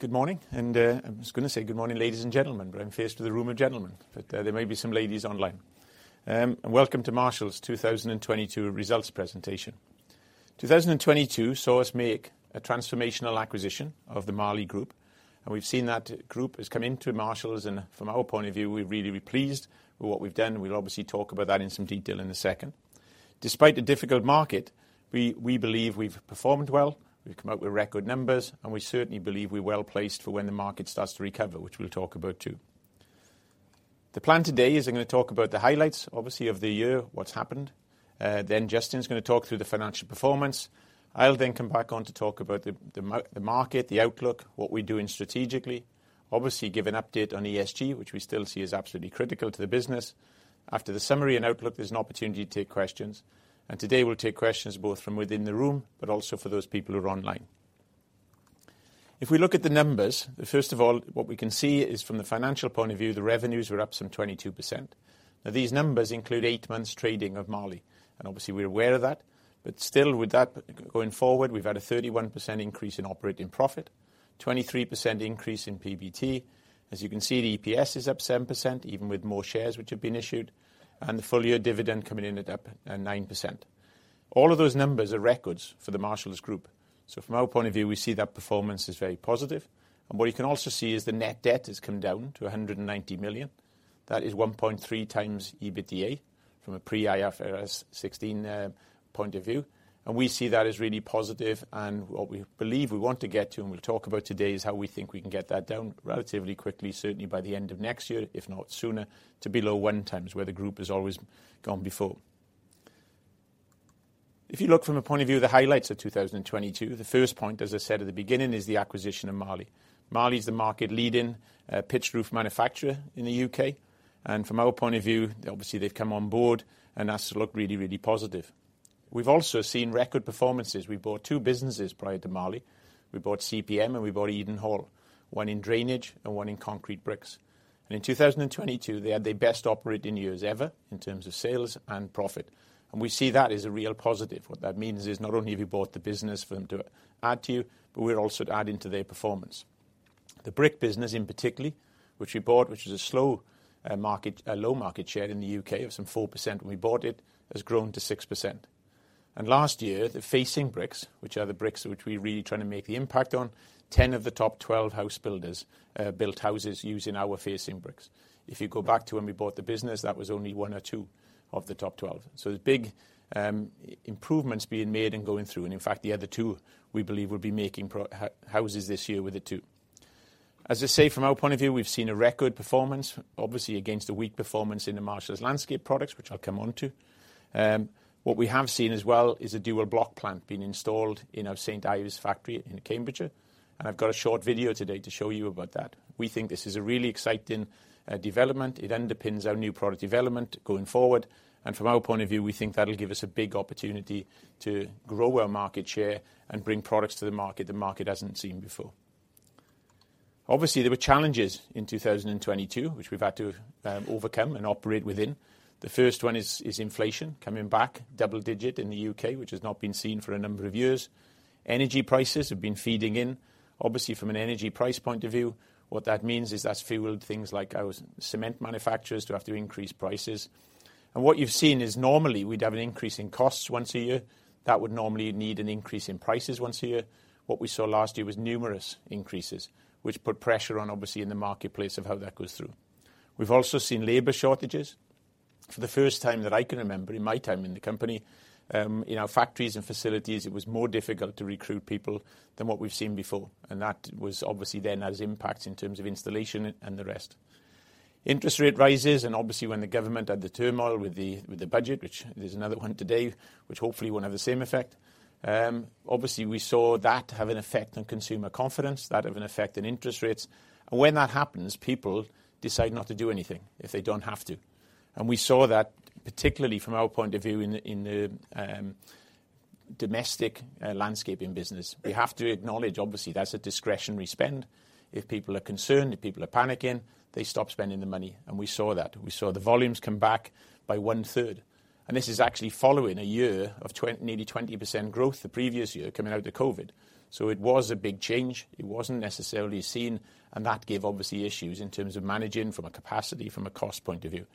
Good morning, and I was gonna say good morning, ladies and gentlemen, but I'm faced with a room of gentlemen, but there may be some ladies online. Welcome to Marshalls' 2022 results presentation. 2022 saw us make a transformational acquisition of the Marley Group. We've seen that group has come into Marshalls, and from our point of view, we're really pleased with what we've done, and we'll obviously talk about that in some detail in a second. Despite the difficult market, we believe we've performed well, we've come out with record numbers, and we certainly believe we're well-placed for when the market starts to recover, which we'll talk about too. The plan today is I'm gonna talk about the highlights obviously of the year, what's happened. Justin's gonna talk through the financial performance. I'll then come back on to talk about the market, the outlook, what we're doing strategically. Obviously, give an update on ESG, which we still see as absolutely critical to the business. After the summary and outlook, there's an opportunity to take questions, and today we'll take questions both from within the room, but also for those people who are online. If we look at the numbers, first of all, what we can see is from the financial point of view, the revenues were up some 22%. Now, these numbers include 8 months trading of Marley, and obviously we're aware of that. Still with that going forward, we've had a 31% increase in operating profit, 23% increase in PBT. As you can see, the EPS is up 7%, even with more shares which have been issued, and the full year dividend coming in at up, 9%. All of those numbers are records for the Marshalls Group. From our point of view, we see that performance is very positive. What you can also see is the net debt has come down to 190 million. That is 1.3x EBITDA from a pre-IFRS 16 point of view. We see that as really positive, and what we believe we want to get to, and we'll talk about today, is how we think we can get that down relatively quickly, certainly by the end of next year, if not sooner, to below 1x, where the Group has always gone before. If you look from a point of view of the highlights of 2022, the first point, as I said at the beginning, is the acquisition of Marley. Marley is the market leading, pitch roof manufacturer in the UK. From our point of view, obviously they've come on board, and that's looked really, really positive. We've also seen record performances. We bought two businesses prior to Marley. We bought CPM and we bought Edenhall, one in drainage and one in concrete bricks. In 2022, they had their best operating years ever in terms of sales and profit. We see that as a real positive. What that means is not only have you bought the business for them to add to you, but we're also adding to their performance. The brick business in particular, which we bought, which is a slow market, a low market share in the UK of some 4% when we bought it, has grown to 6%. Last year, the facing bricks, which are the bricks which we're really trying to make the impact on, 10 of the top 12 house builders built houses using our facing bricks. If you go back to when we bought the business, that was only 1 or 2 of the top 12. There's big improvements being made and going through. In fact, the other 2, we believe, will be making houses this year with the 2. As I say, from our point of view, we've seen a record performance, obviously against a weak performance in the Marshalls Landscape Products, which I'll come on to. What we have seen as well is a dual block plant being installed in our St. Ives factory in Cambridgeshire. I've got a short video today to show you about that. We think this is a really exciting development. It underpins our new product development going forward. From our point of view, we think that'll give us a big opportunity to grow our market share and bring products to the market hasn't seen before. Obviously, there were challenges in 2022, which we've had to overcome and operate within. The first one is inflation coming back double-digit in the UK, which has not been seen for a number of years. Energy prices have been feeding in. Obviously, from an energy price point of view, what that means is that's fueled things like our cement manufacturers to have to increase prices. What you've seen is normally we'd have an increase in costs once a year. That would normally need an increase in prices once a year. What we saw last year was numerous increases, which put pressure on, obviously, in the marketplace of how that goes through. We've also seen labor shortages. For the first time that I can remember in my time in the company, in our factories and facilities, it was more difficult to recruit people than what we've seen before. That was obviously then has impacts in terms of installation and the rest. Interest rate rises, obviously when the government had the turmoil with the, with the budget, which there's another one today, which hopefully won't have the same effect. Obviously we saw that have an effect on consumer confidence, that have an effect on interest rates. When that happens, people decide not to do anything if they don't have to. We saw that particularly from our point of view in the domestic landscaping business. We have to acknowledge, obviously, that's a discretionary spend. If people are concerned, if people are panicking, they stop spending the money, and we saw that. We saw the volumes come back by one-third. This is actually following a year of nearly 20% growth the previous year coming out of COVID. It was a big change. It wasn't necessarily seen, and that gave obviously issues in terms of managing from a capacity, from a cost point of view.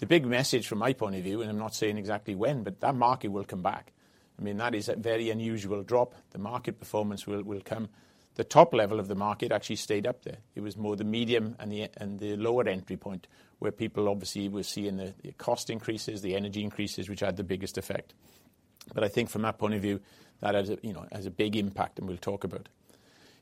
The big message from my point of view, I'm not saying exactly when, but that market will come back. I mean, that is a very unusual drop. The market performance will come. The top level of the market actually stayed up there. It was more the medium and the lower entry point where people obviously were seeing the cost increases, the energy increases, which had the biggest effect. I think from that point of view, that has a, you know, has a big impact, and we'll talk about it.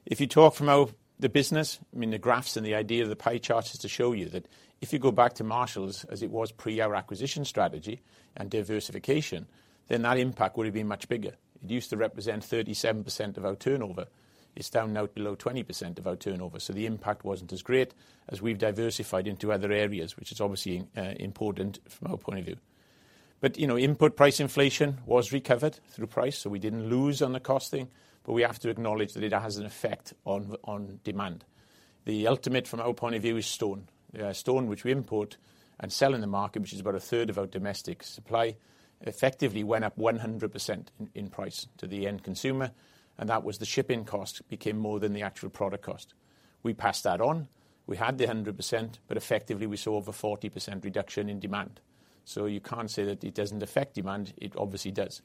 If you talk from our, the business, I mean, the graphs and the idea of the pie chart is to show you that if you go back to Marshalls as it was pre our acquisition strategy and diversification, then that impact would have been much bigger. It used to represent 37% of our turnover. It's down now to below 20% of our turnover. The impact wasn't as great as we've diversified into other areas, which is obviously important from our point of view. You know, input price inflation was recovered through price, so we didn't lose on the costing, but we have to acknowledge that it has an effect on demand. The ultimate from our point of view is stone. Stone which we import and sell in the market, which is about a third of our domestic supply, effectively went up 100% in price to the end consumer, and that was the shipping cost became more than the actual product cost. We passed that on. We had the 100%, but effectively we saw over 40% reduction in demand. You can't say that it doesn't affect demand. It obviously does.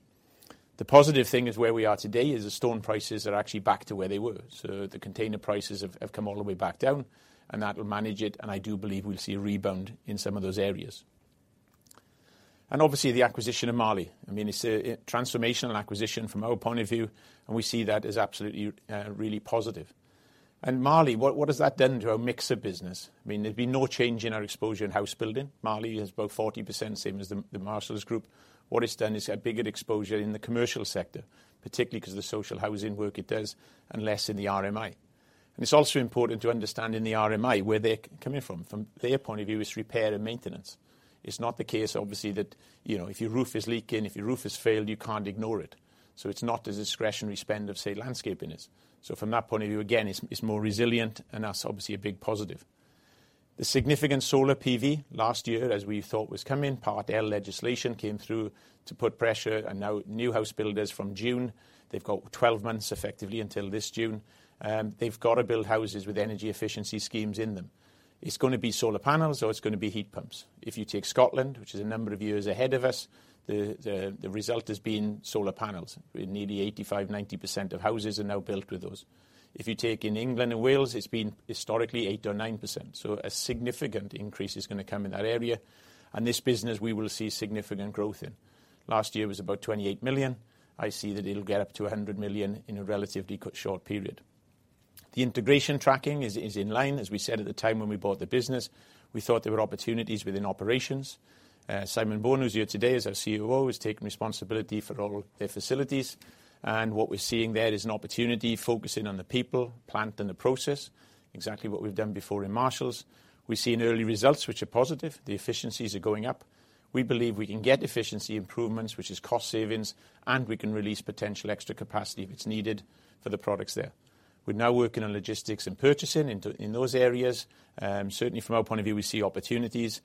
The positive thing is where we are today is the stone prices are actually back to where they were. The container prices have come all the way back down and that will manage it. I do believe we'll see a rebound in some of those areas. Obviously the acquisition of Marley, I mean it's a transformational acquisition from our point of view, and we see that as absolutely really positive. Marley, what has that done to our mix of business? I mean, there'd be no change in our exposure in house building. Marley is about 40%, same as the Marshalls group. What it's done is a bigger exposure in the commercial sector, particularly because of the social housing work it does and less in the RMI. It's also important to understand in the RMI where they're coming from their point of view is repair and maintenance. It's not the case obviously that, you know, if your roof is leaking, if your roof has failed, you can't ignore it. It's not a discretionary spend of, say, landscaping is. From that point of view, again, it's more resilient and that's obviously a big positive. The significant solar PV last year as we thought was coming, Part L legislation came through to put pressure and now new house builders from June, they've got 12 months effectively until this June. They've got to build houses with energy efficiency schemes in them. It's gonna be solar panels, or it's gonna be heat pumps. If you take Scotland, which is a number of years ahead of us, the result has been solar panels. Nearly 85%, 90% of houses are now built with those. If you take in England and Wales, it's been historically 8% or 9%, so a significant increase is gonna come in that area. This business we will see significant growth in. Last year was about 28 million. I see that it'll get up to 100 million in a relatively quite short period. The integration tracking is in line. As we said at the time when we bought the business, we thought there were opportunities within operations. Simon Bourne, who's here today as our COO, has taken responsibility for all their facilities. What we're seeing there is an opportunity focusing on the people, plant and the process, exactly what we've done before in Marshalls. We've seen early results which are positive. The efficiencies are going up. We believe we can get efficiency improvements, which is cost savings, and we can release potential extra capacity if it's needed for the products there. We're now working on logistics and purchasing in those areas. Certainly from our point of view, we see opportunities.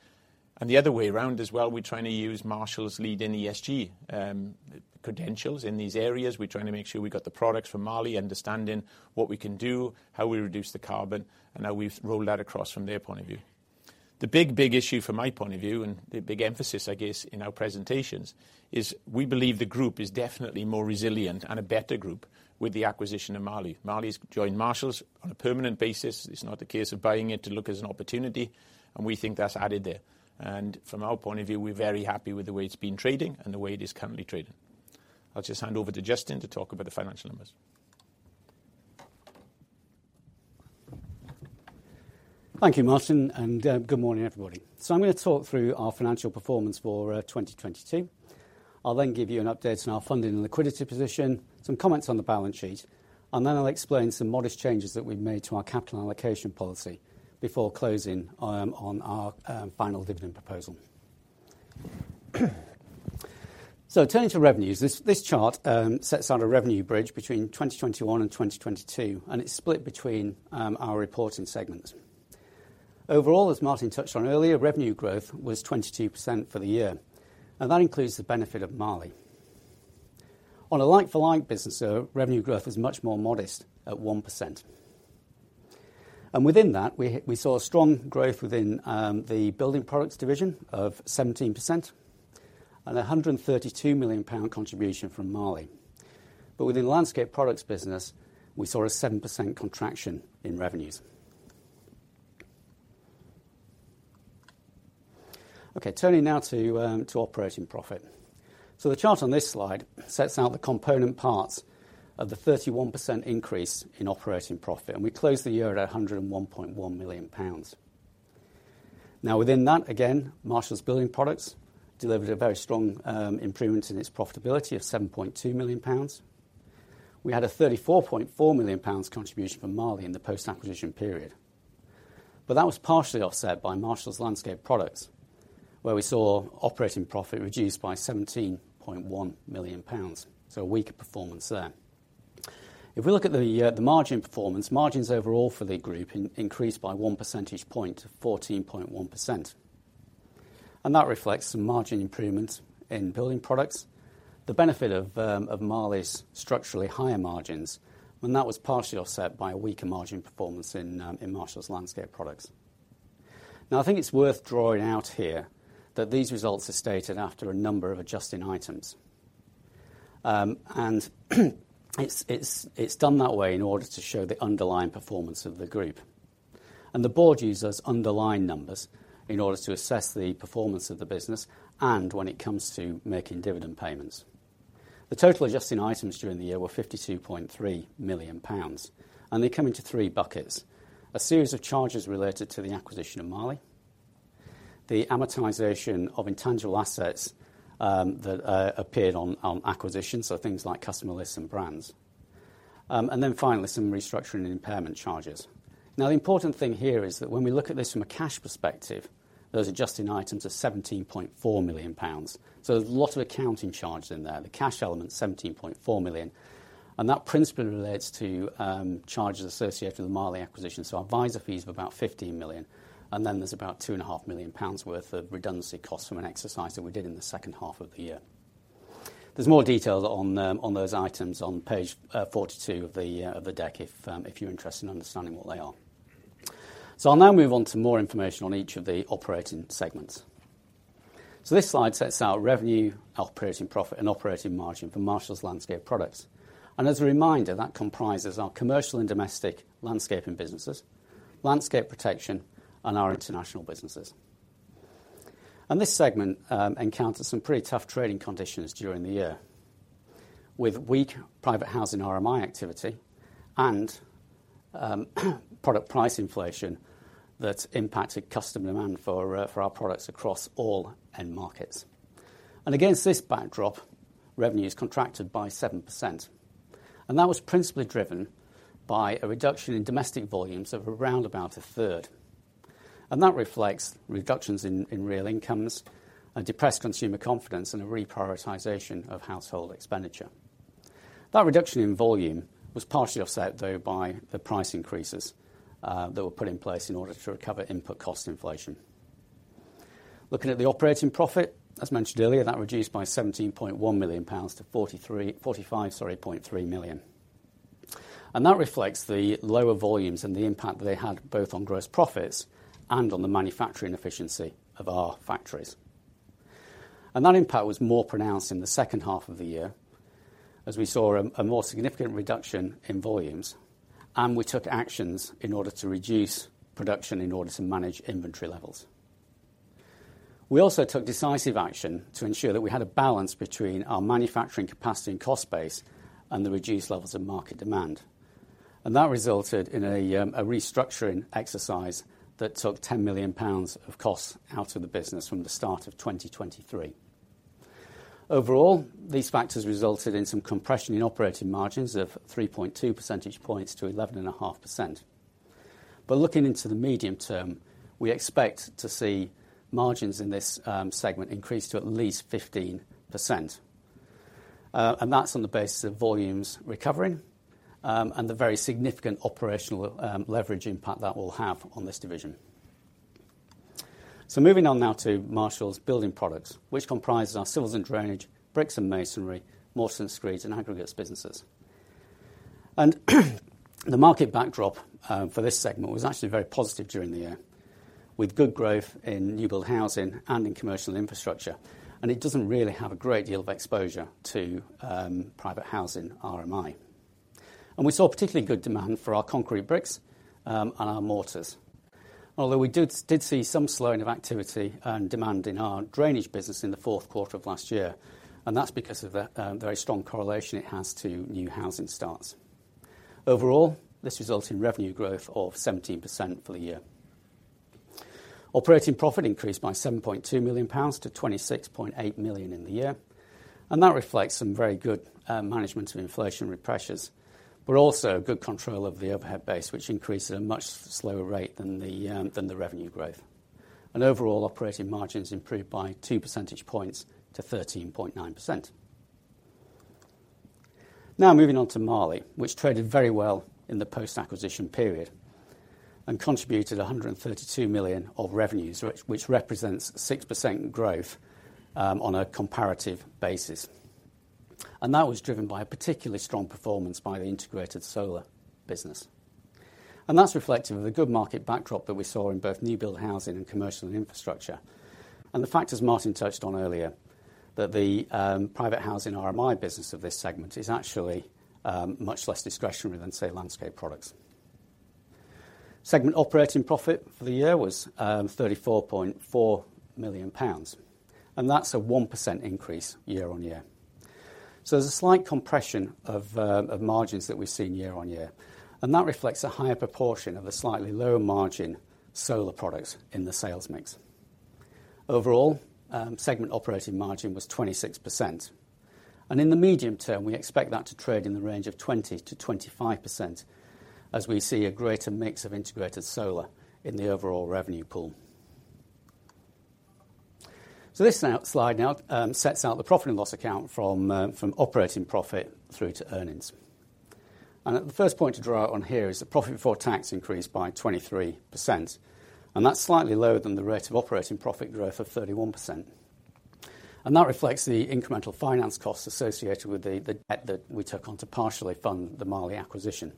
The other way around as well, we're trying to use Marshalls lead in ESG credentials in these areas. We're trying to make sure we got the products from Marley, understanding what we can do, how we reduce the carbon, and how we've rolled that across from their point of view. The big issue from my point of view and the big emphasis I guess in our presentations, is we believe the group is definitely more resilient and a better group with the acquisition of Marley. Marley's joined Marshalls on a permanent basis. It's not a case of buying it to look as an opportunity and we think that's added there. From our point of view, we're very happy with the way it's been trading and the way it is currently trading. I'll just hand over to Justin Lockwood to talk about the financial numbers. Thank you, Martyn Coffey. Good morning, everybody. I'm going to talk through our financial performance for 2022. I'll give you an update on our funding and liquidity position, some comments on the balance sheet, I'll explain some modest changes that we've made to our capital allocation policy before closing on our final dividend proposal. Turning to revenues, this chart sets out a revenue bridge between 2021 and 2022. It's split between our reporting segments. Overall, as Martyn touched on earlier, revenue growth was 22% for the year, that includes the benefit of Marley. On a like-for-like basis though, revenue growth was much more modest at 1%. Within that we saw strong growth within the Building Products division of 17% and a 132 million pound contribution from Marley. Within the Landscape Products business, we saw a 7% contraction in revenues. Turning now to operating profit. The chart on this slide sets out the component parts of the 31% increase in operating profit, and we closed the year at 101.1 million pounds. Within that, again, Marshalls Building Products delivered a very strong improvment in its profitability of 7.2 million pounds. We had a 34.4 million pounds contribution from Marley in the post-acquisition period. That was partially offset by Marshalls Landscape Products, where we saw operating profit reduced by 17.1 million pounds, so weaker performance there. If we look at the margin performance, margins overall for the group increased by 1 percentage point to 14.1%. That reflects some margin improvement in Building Products. The benefit of Marley's structurally higher margins and that was partially offset by a weaker margin performance in Marshalls Landscape Products. Now I think it's worth drawing out here that these results are stated after a number of adjusting items. It's done that way in order to show the underlying performance of the group. The board uses underlying numbers in order to assess the performance of the business and when it comes to making dividend payments. The total adjusting items during the year were 52.3 million pounds. They come into 3 buckets. A series of charges related to the acquisition of Marley, the amortization of intangible assets, that appeared on acquisition, so things like customer lists and brands. Then finally, some restructuring and impairment charges. Now the important thing here is that when we look at this from a cash perspective. Those adjusting items are £17.4 million. There's a lot of accounting charges in there. The cash element, 17.4 million. That principally relates to charges associated with the Marley acquisition. Advisor fees of about 15 million, and then there's about two and a half million GBP worth of redundancy costs from an exercise that we did in the second half of the year. There's more details on those items on page 42 of the year, of the deck, if you're interested in understanding what they are. I'll now move on to more information on each of the operating segments. This slide sets out revenue, operating profit, and operating margin for Marshalls Landscape Products. As a reminder, that comprises our commercial and domestic landscaping businesses, landscape protection, and our international businesses. This segment encounters some pretty tough trading conditions during the year, with weak private housing RMI activity and product price inflation that's impacted customer demand for our products across all end markets. Against this backdrop, revenue is contracted by 7%. That was principally driven by a reduction in domestic volumes of around about a third. That reflects reductions in real incomes and depressed consumer confidence and a reprioritization of household expenditure. That reduction in volume was partially offset though by the price increases that were put in place in order to recover input cost inflation. Looking at the operating profit, as mentioned earlier, that reduced by 17.1 million pounds to 45.3 million. That reflects the lower volumes and the impact they had both on gross profits and on the manufacturing efficiency of our factories. That impact was more pronounced in the second half of the year as we saw a more significant reduction in volumes, and we took actions in order to reduce production in order to manage inventory levels. We also took decisive action to ensure that we had a balance between our manufacturing capacity and cost base and the reduced levels of market demand. That resulted in a restructuring exercise that took 10 million pounds of costs out of the business from the start of 2023. Overall, these factors resulted in some compression in operating margins of 3.2 percentage points to 11.5%. Looking into the medium term, we expect to see margins in this segment increase to at least 15%. That's on the basis of volumes recovering and the very significant operational leverage impact that will have on this division. Moving on now to Marshalls Building Products, which comprises our civils & drainage, bricks and masonry, mortars, sands and aggregates businesses. The market backdrop for this segment was actually very positive during the year, with good growth in new build housing and in commercial infrastructure. It doesn't really have a great deal of exposure to private housing RMI. We saw particularly good demand for our concrete bricks and our mortars. Although we did see some slowing of activity and demand in our drainage business in the fourth quarter of last year, and that's because of the very strong correlation it has to new housing starts. Overall, this results in revenue growth of 17% for the year. Operating profit increased by 7.2 million pounds to 26.8 million in the year, and that reflects some very good management of inflationary pressures, but also good control of the overhead base, which increased at a much slower rate than the revenue growth. Overall operating margins improved by 2 percentage points to 13.9%. Moving on to Marley, which traded very well in the post-acquisition period and contributed 132 million of revenues, which represents 6% growth on a comparative basis. That was driven by a particularly strong performance by the integrated solar business. That's reflective of the good market backdrop that we saw in both new build housing and commercial infrastructure. The fact, as Martyn touched on earlier, that the private housing RMI business of this segment is actually much less discretionary than, say, landscape products. Segment operating profit for the year was 34.4 million pounds, that's a 1% increase year-on-year. There's a slight compression of margins that we've seen year-on-year, that reflects a higher proportion of a slightly lower margin solar products in the sales mix. Overall, segment operating margin was 26%. In the medium term, we expect that to trade in the range of 20%-25% as we see a greater mix of integrated solar in the overall revenue pool. This slide now sets out the profit and loss account from operating profit through to earnings. At the first point to draw on here is the profit before tax increased by 23%, and that's slightly lower than the rate of operating profit growth of 31%. That reflects the incremental finance costs associated with the debt that we took on to partially fund the Marley acquisition.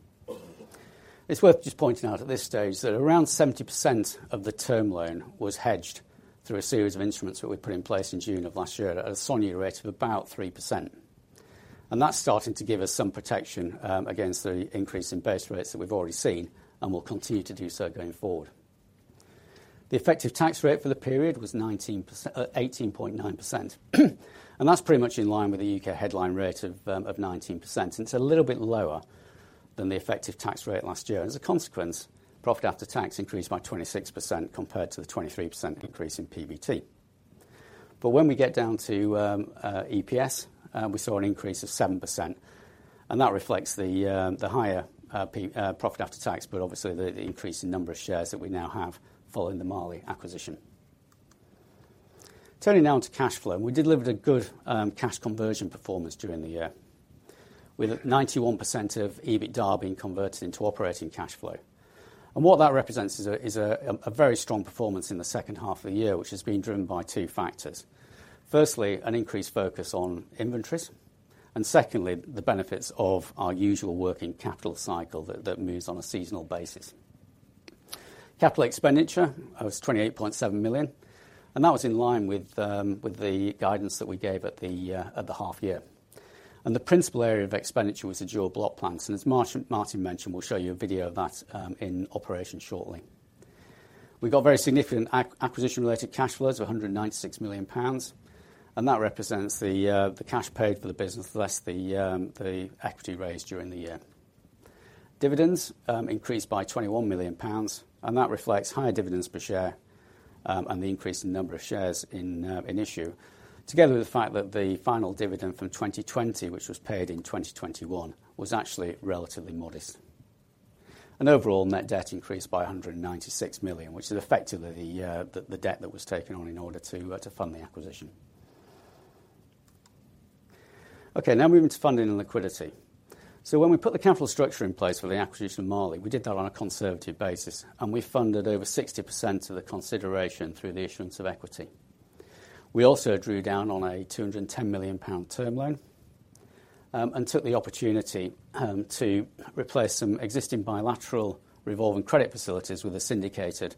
It's worth just pointing out at this stage that around 70% of the term loan was hedged through a series of instruments that we put in place in June of last year at a SONIA rate of about 3%. That's starting to give us some protection against the increase in base rates that we've already seen and will continue to do so going forward. The effective tax rate for the period was 18.9%. That's pretty much in line with the U.K. headline rate of 19%. It's a little bit lower than the effective tax rate last year. As a consequence, profit after tax increased by 26% compared to the 23% increase in PBT. When we get down to EPS, we saw an increase of 7%, and that reflects the higher profit after tax, but obviously the increase in number of shares that we now have following the Marley acquisition. Turning now to cash flow. We delivered a good cash conversion performance during the year, with 91% of EBITDA being converted into operating cash flow. What that represents is a very strong performance in the second half of the year, which is being driven by two factors. Firstly, an increased focus on inventories, and secondly, the benefits of our usual working capital cycle that moves on a seasonal basis. Capital expenditure, that was 28.7 million, that was in line with the guidance that we gave at the half year. The principal area of expenditure was the dual block plants, as Martyn mentioned, we'll show you a video of that in operation shortly. We got very significant acquisition-related cash flows, 196 million pounds, that represents the cash paid for the business, less the equity raised during the year. Dividends increased by 21 million pounds, that reflects higher dividends per share and the increase in number of shares in issue. Together with the fact that the final dividend from 2020, which was paid in 2021, was actually relatively modest. Overall, net debt increased by 196 million, which is effectively the debt that was taken on in order to fund the acquisition. Now moving to funding and liquidity. When we put the capital structure in place for the acquisition of Marley, we did that on a conservative basis, and we funded over 60% of the consideration through the issuance of equity. We also drew down on a 210 million pound term loan, and took the opportunity to replace some existing bilateral revolving credit facilities with a syndicated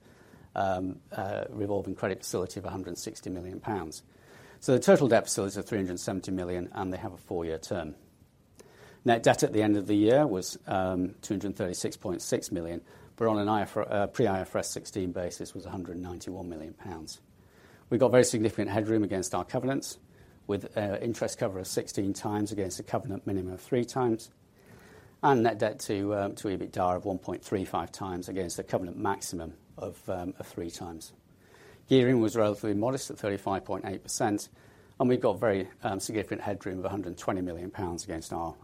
revolving credit facility of 160 million pounds. The total debt facilities are 370 million, and they have a 4-year term. Net debt at the end of the year was 236.6 million, but on an pre-IFRS 16 basis was 191 million pounds. We've got very significant headroom against our covenants with interest cover of 16 times against a covenant minimum of 3 times, and net debt to EBITDA of 1.35 times against a covenant maximum of 3 times. Gearing was relatively modest at 35.8%, and we've got very significant headroom of 120 million pounds against our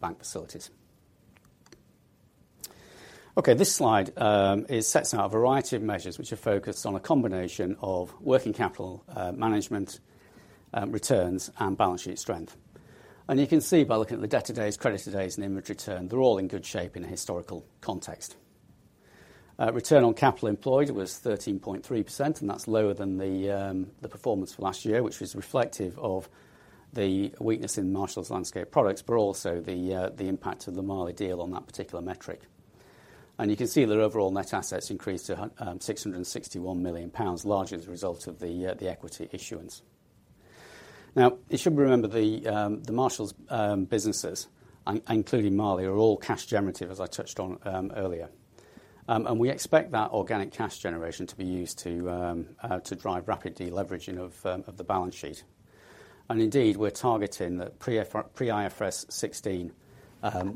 bank facilities. This slide, it sets out a variety of measures which are focused on a combination of working capital, management, returns, and balance sheet strength. You can see by looking at the debt to days, credit to days, and inventory return, they're all in good shape in a historical context. Return on capital employed was 13.3%, that's lower than the performance for last year, which was reflective of the weakness in Marshalls Landscape Products, but also the impact of the Marley deal on that particular metric. You can see that overall net assets increased to 661 million pounds, largely as a result of the equity issuance. Now, you should remember the Marshalls businesses, including Marley, are all cash generative, as I touched on earlier. We expect that organic cash generation to be used to drive rapid deleveraging of the balance sheet. Indeed, we're targeting the pre IFRS 16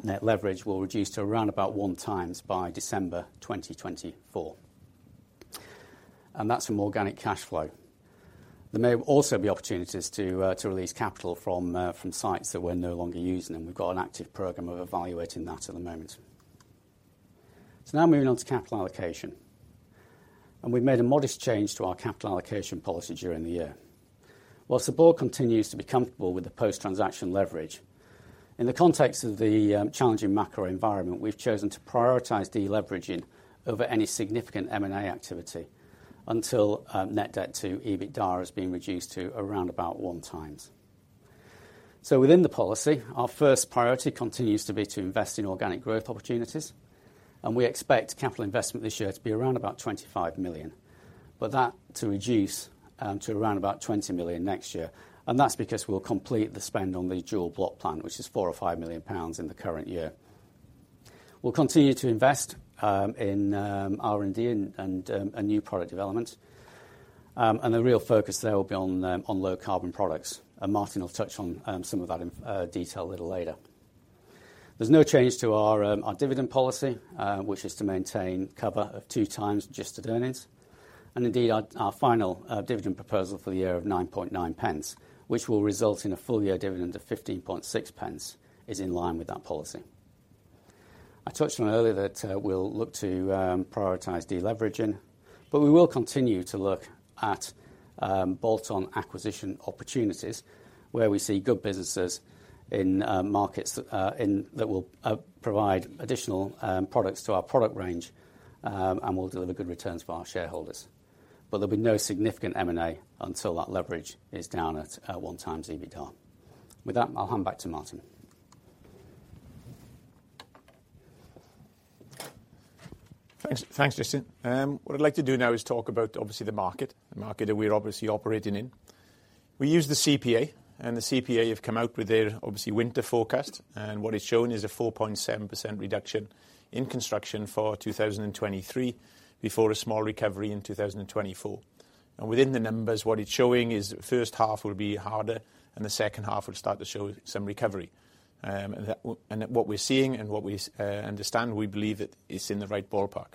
net leverage will reduce to around about 1 times by December 2024. That's from organic cash flow. There may also be opportunities to release capital from sites that we're no longer using, and we've got an active program of evaluating that at the moment. Now moving on to capital allocation. We've made a modest change to our capital allocation policy during the year. Whilst the board continues to be comfortable with the post-transaction leverage, in the context of the challenging macro environment, we've chosen to prioritize deleveraging over any significant M&A activity until net debt to EBITDA has been reduced to around about 1 times. Within the policy, our first priority continues to be to invest in organic growth opportunities, and we expect capital investment this year to be around about 25 million, but that to reduce to around about 20 million next year. That's because we'll complete the spend on the dual block plant, which is 4 million-5 million pounds in the current year. We'll continue to invest in R&D and a new product development. The real focus there will be on low carbon products. Martyn will touch on some of that in detail a little later. There's no change to our dividend policy, which is to maintain cover of 2 times adjusted earnings. Indeed, our final, dividend proposal for the year of 9.9 pence, which will result in a full year dividend of 15.6 pence, is in line with that policy. I touched on earlier that, we'll look to prioritize deleveraging, but we will continue to look at bolt-on acquisition opportunities where we see good businesses in markets that will provide additional products to our product range, and will deliver good returns for our shareholders. There'll be no significant M&A until that leverage is down at 1 times EBITDA. With that, I'll hand back to Martyn. Thanks, thanks, Justin. What I'd like to do now is talk about obviously the market, the market that we're obviously operating in. We use the CPA, and the CPA have come out with their obviously winter forecast. What it's showing is a 4.7% reduction in construction for 2023, before a small recovery in 2024. Within the numbers, what it's showing is that first half will be harder, and the second half will start to show some recovery. What we're seeing and what we understand, we believe it is in the right ballpark.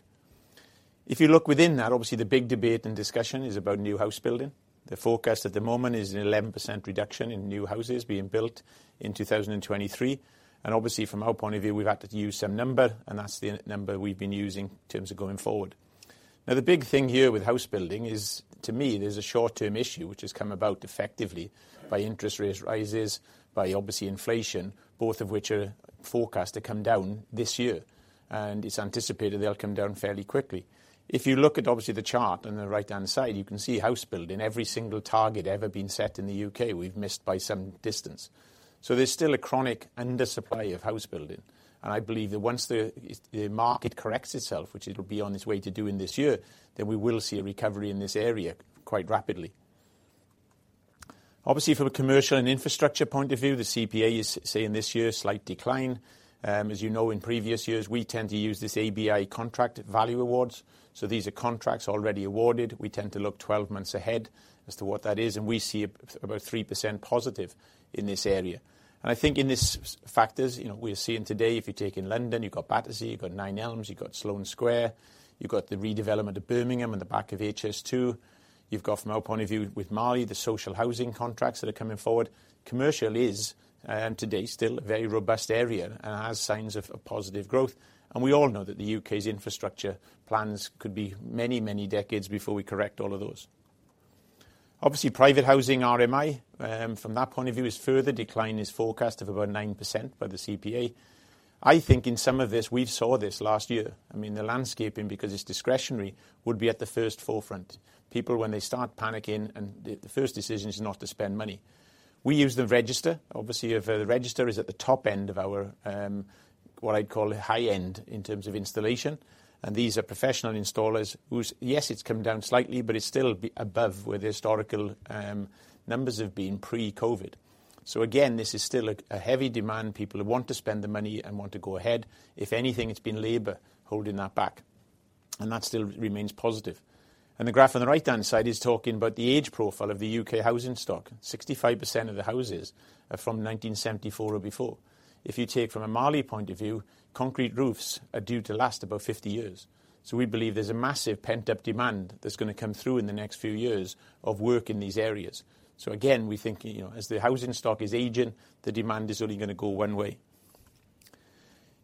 If you look within that, obviously the big debate and discussion is about new house building. The forecast at the moment is an 11% reduction in new houses being built in 2023. Obviously from our point of view, we've had to use some number, and that's the number we've been using in terms of going forward. The big thing here with house building is, to me, there's a short-term issue which has come about effectively by interest rates rises, by obviously inflation, both of which are forecast to come down this year. It's anticipated they'll come down fairly quickly. If you look at obviously the chart on the right-hand side, you can see house building, every single target ever been set in the UK, we've missed by some distance. There's still a chronic under supply of house building. I believe that once the market corrects itself, which it'll be on its way to doing this year, then we will see a recovery in this area quite rapidly. Obviously, from a commercial and infrastructure point of view, the CPAs say in this year slight decline. As you know, in previous years, we tend to use this ABI Contract Value Awards. These are contracts already awarded. We tend to look 12 months ahead as to what that is, and we see about 3% positive in this area. I think in this factors, you know, we're seeing today, if you take in London, you got Battersea, you got Nine Elms, you got Sloane Square, you got the redevelopment of Birmingham and the back of HS2. You've got from our point of view with Marley, the social housing contracts that are coming forward. Commercial is today still a very robust area and has signs of positive growth. We all know that the U.K.'s infrastructure plans could be many, many decades before we correct all of those. Obviously, private housing RMI, from that point of view, is further decline is forecast of about 9% by the CPA. I think in some of this, we saw this last year. I mean, the landscaping, because it's discretionary, would be at the first forefront. People when they start panicking and the first decision is not to spend money. We use the Marshalls Register. Obviously, if the Marshalls Register is at the top end of our, what I call high end in terms of installation. These are professional installers whose, yes, it's come down slightly, but it's still above where the historical numbers have been pre-COVID. Again, this is still a heavy demand. People who want to spend the money and want to go ahead. If anything, it's been labor holding that back, and that still remains positive. The graph on the right-hand side is talking about the age profile of the UK housing stock. 65% of the houses are from 1974 or before. If you take from a Marley point of view, concrete roofs are due to last about 50 years. We believe there's a massive pent-up demand that's gonna come through in the next few years of work in these areas. Again, we think, you know, as the housing stock is aging, the demand is only gonna go one way.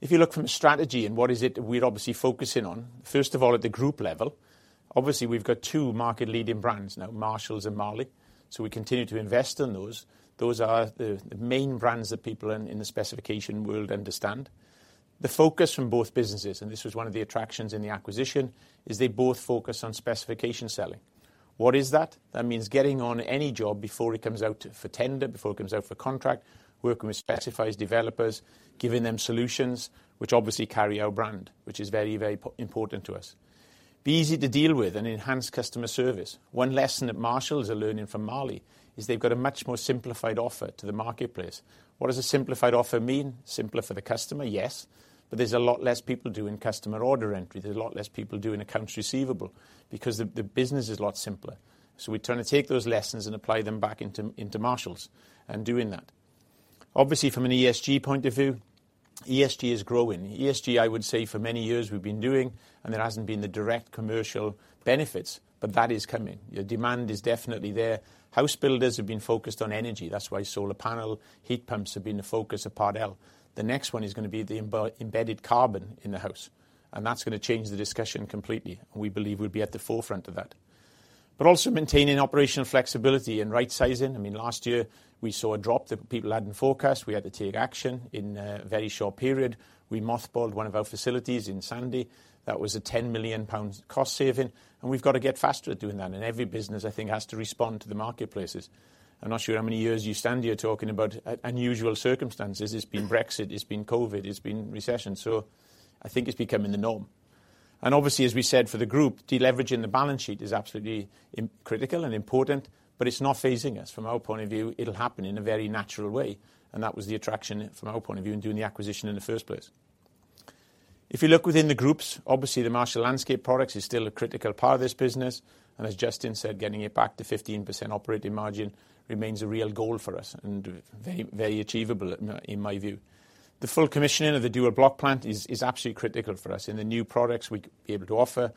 If you look from strategy and what is it we're obviously focusing on, first of all, at the group level, obviously, we've got two market leading brands now, Marshalls and Marley, so we continue to invest in those. Those are the main brands that people in the specification world understand. The focus from both businesses, and this was one of the attractions in the acquisition, is they both focus on specification selling. What is that? That means getting on any job before it comes out for tender, before it comes out for contract, working with specifiers, developers, giving them solutions, which obviously carry our brand, which is very, very important to us. Be easy to deal with and enhance customer service. One lesson that Marshalls are learning from Marley is they've got a much more simplified offer to the marketplace. What does a simplified offer mean? Simpler for the customer, yes, there's a lot less people doing customer order entry. There's a lot less people doing accounts receivable because the business is a lot simpler. We try to take those lessons and apply them back into Marshalls and doing that. Obviously, from an ESG point of view, ESG is growing. ESG, I would say for many years we've been doing, and there hasn't been the direct commercial benefits, but that is coming. The demand is definitely there. House builders have been focused on energy. That's why solar panel, heat pumps have been the focus of Part L. The next one is going to be the embedded carbon in the house, and that's going to change the discussion completely. We believe we'll be at the forefront of that. Also maintaining operational flexibility and right sizing. I mean, last year we saw a drop that people hadn't forecast. We had to take action in a very short period. We mothballed one of our facilities in Sandy. That was a 10 million pound cost saving, we've got to get faster at doing that. Every business, I think, has to respond to the marketplaces. I'm not sure how many years you stand here talking about unusual circumstances. It's been Brexit, it's been COVID, it's been recession. I think it's becoming the norm. Obviously, as we said, for the group, deleveraging the balance sheet is absolutely critical and important, but it's not phasing us. From our point of view, it'll happen in a very natural way, and that was the attraction from our point of view in doing the acquisition in the first place. If you look within the groups, obviously the Marshalls Landscape Products is still a critical part of this business. As Justin said, getting it back to 15% operating margin remains a real goal for us and very, very achievable in my view. The full commissioning of the dual block plant is absolutely critical for us in the new products we'd be able to offer.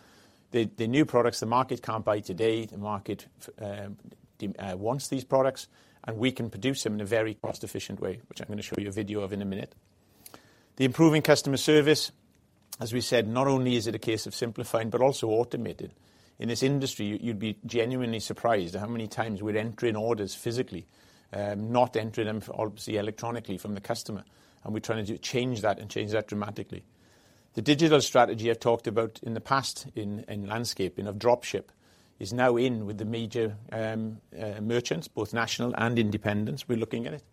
The new products the market can't buy today, the market wants these products, and we can produce them in a very cost-efficient way, which I'm gonna show you a video of in a minute. The improving customer service, as we said, not only is it a case of simplifying, but also automated. In this industry, you'd be genuinely surprised at how many times we're entering orders physically, not entering them for, obviously, electronically from the customer. We're trying to change that and change that dramatically. The digital strategy I talked about in the past in landscaping of Dropship is now in with the major merchants, both national and independents, we're looking at it.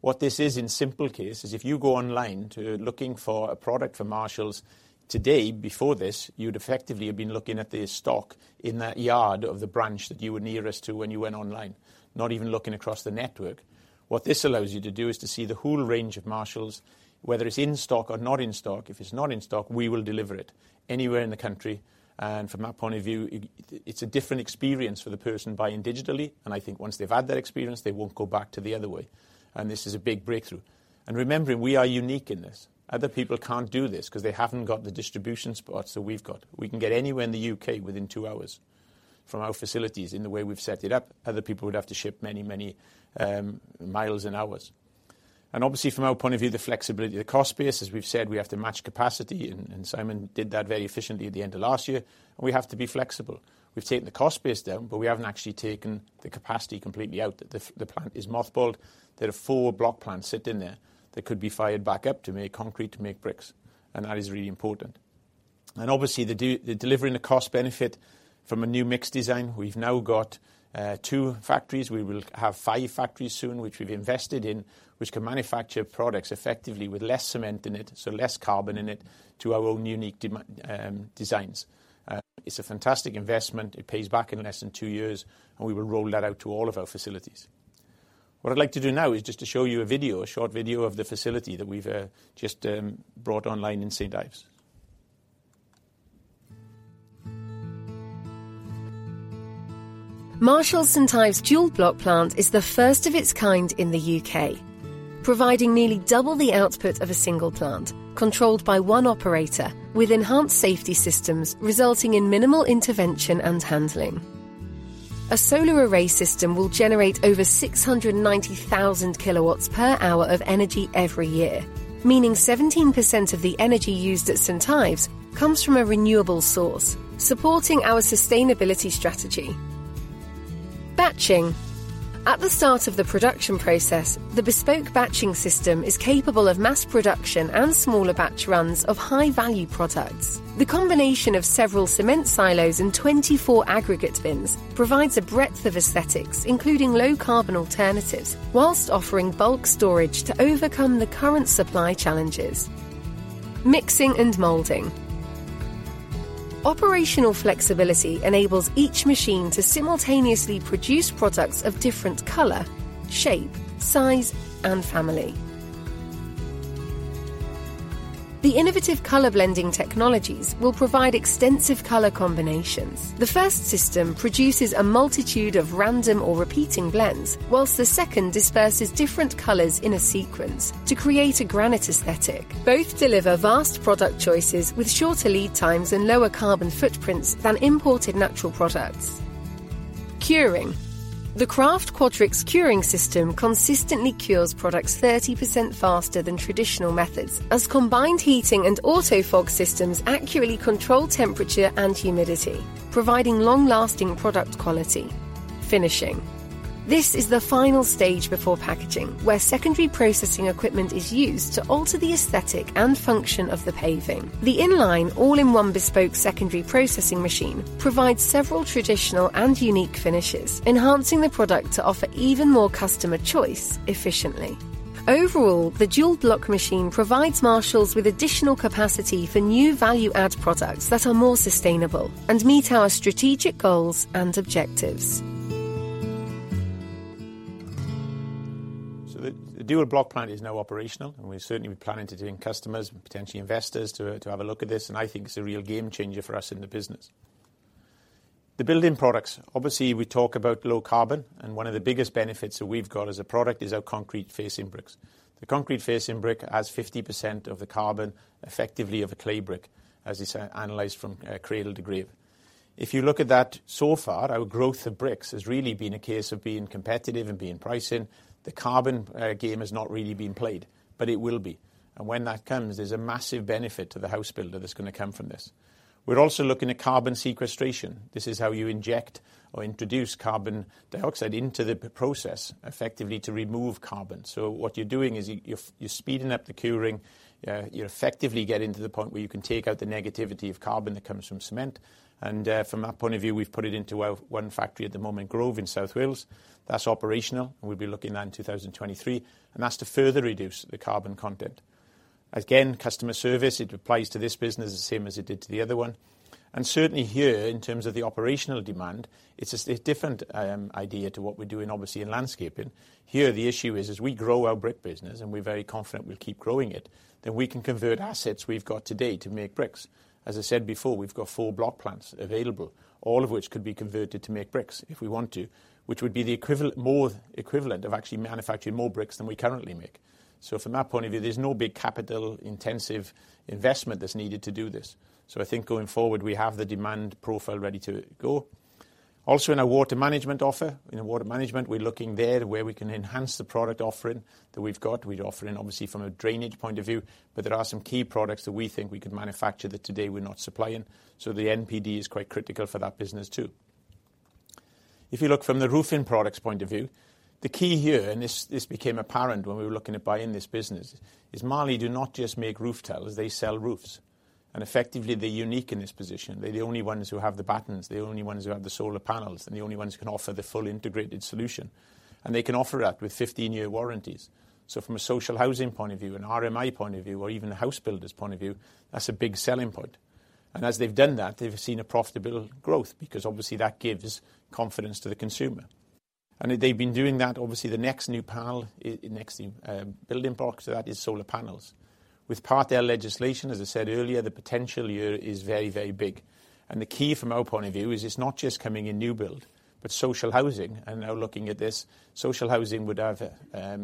What this is in simple case is if you go online to looking for a product for Marshalls today, before this, you'd effectively have been looking at the stock in that yard of the branch that you were nearest to when you went online, not even looking across the network. What this allows you to do is to see the whole range of Marshalls, whether it's in stock or not in stock. If it's not in stock, we will deliver it anywhere in the country. From that point of view, it's a different experience for the person buying digitally. I think once they've had that experience, they won't go back to the other way. This is a big breakthrough. Remembering we are unique in this. Other people can't do this 'cause they haven't got the distribution spots that we've got. We can get anywhere in the U.K. within 2 hours from our facilities in the way we've set it up. Other people would have to ship many, many miles and hours. Obviously, from our point of view, the flexibility, the cost base, as we've said, we have to match capacity, and Simon did that very efficiently at the end of last year, and we have to be flexible. We've taken the cost base down, but we haven't actually taken the capacity completely out. The plant is mothballed. There are 4 block plants sitting there that could be fired back up to make concrete, to make bricks, and that is really important. Obviously, the delivering the cost benefit from a new mix design. We've now got 2 factories. We will have 5 factories soon, which we've invested in, which can manufacture products effectively with less cement in it, so less carbon in it, to our own unique designs. It's a fantastic investment. It pays back in less than 2 years, and we will roll that out to all of our facilities. What I'd like to do now is just to show you a video, a short video of the facility that we've just brought online in St. Ives. Marshalls St. Ives dual block plant is the first of its kind in the U.K., providing nearly double the output of a single plant, controlled by 1 operator with enhanced safety systems, resulting in minimal intervention and handling. A solar array system will generate over 690,000 kWh of energy every year, meaning 17% of the energy used at St. Ives comes from a renewable source, supporting our sustainability strategy. Batching. At the start of the production process, the bespoke batching system is capable of mass production and smaller batch runs of high-value products. The combination of several cement silos and 24 aggregate bins provides a breadth of aesthetics, including low carbon alternatives, whilst offering bulk storage to overcome the current supply challenges. Mixing and molding. Operational flexibility enables each machine to simultaneously produce products of different color, shape, size, and family. The innovative color blending technologies will provide extensive color combinations. The first system produces a multitude of random or repeating blends, while the second disperses different colors in a sequence to create a granite aesthetic. Both deliver vast product choices with shorter lead times and lower carbon footprints than imported natural products. Curing. The KRAFT QuadriX curing system consistently cures products 30% faster than traditional methods, as combined heating and auto-fog systems accurately control temperature and humidity, providing long-lasting product quality. Finishing. This is the final stage before packaging, where secondary processing equipment is used to alter the aesthetic and function of the paving. The in-line, all-in-one bespoke secondary processing machine provides several traditional and unique finishes, enhancing the product to offer even more customer choice efficiently. Overall, the dual block machine provides Marshalls with additional capacity for new value-add products that are more sustainable and meet our strategic goals and objectives. The dual block plant is now operational, and we certainly planning to doing customers and potentially investors to have a look at this, and I think it's a real game changer for us in the business. The building products, obviously, we talk about low carbon, and one of the biggest benefits that we've got as a product is our concrete facing bricks. The concrete facing brick has 50% of the carbon, effectively of a clay brick, as it's analyzed from cradle to grave. If you look at that so far, our growth of bricks has really been a case of being competitive and being pricing. The carbon game has not really been played, but it will be. When that comes, there's a massive benefit to the house builder that's gonna come from this. We're also looking at carbon sequestration. This is how you inject or introduce carbon dioxide into the process effectively to remove carbon. What you're doing is you're speeding up the curing. You effectively getting to the point where you can take out the negativity of carbon that comes from cement. From our point of view, we've put it into our one factory at the moment, Grove in South Wales. That's operational, and we'll be looking at in 2023, and that's to further reduce the carbon content. Again, customer service, it applies to this business the same as it did to the other one. Certainly here, in terms of the operational demand, it's different idea to what we're doing, obviously, in landscaping. Here, the issue is, as we grow our brick business, and we're very confident we'll keep growing it, then we can convert assets we've got today to make bricks. As I said before, we've got 4 block plants available, all of which could be converted to make bricks if we want to, which would be more equivalent of actually manufacturing more bricks than we currently make. From that point of view, there's no big capital-intensive investment that's needed to do this. I think going forward, we have the demand profile ready to go. Also in our water management offer. In our water management, we're looking there where we can enhance the product offering that we've got. We're offering, obviously, from a drainage point of view, but there are some key products that we think we could manufacture that today we're not supplying. The NPD is quite critical for that business too. If you look from the roofing products point of view, the key here, and this became apparent when we were looking at buying this business, is Marley do not just make roof tiles, they sell roofs. Effectively, they're unique in this position. They're the only ones who have the battens, they're only ones who have the solar panels, and the only ones who can offer the fully integrated solution. They can offer that with 15-year warranties. From a social housing point of view, an RMI point of view, or even a house builder's point of view, that's a big selling point. As they've done that, they've seen a profitable growth because obviously that gives confidence to the consumer. They've been doing that, obviously, the next new panel, next building block to that is solar panels. With Part L legislation, as I said earlier, the potential year is very, very big. The key from our point of view is it's not just coming in new build. Social housing, and now looking at this, social housing would have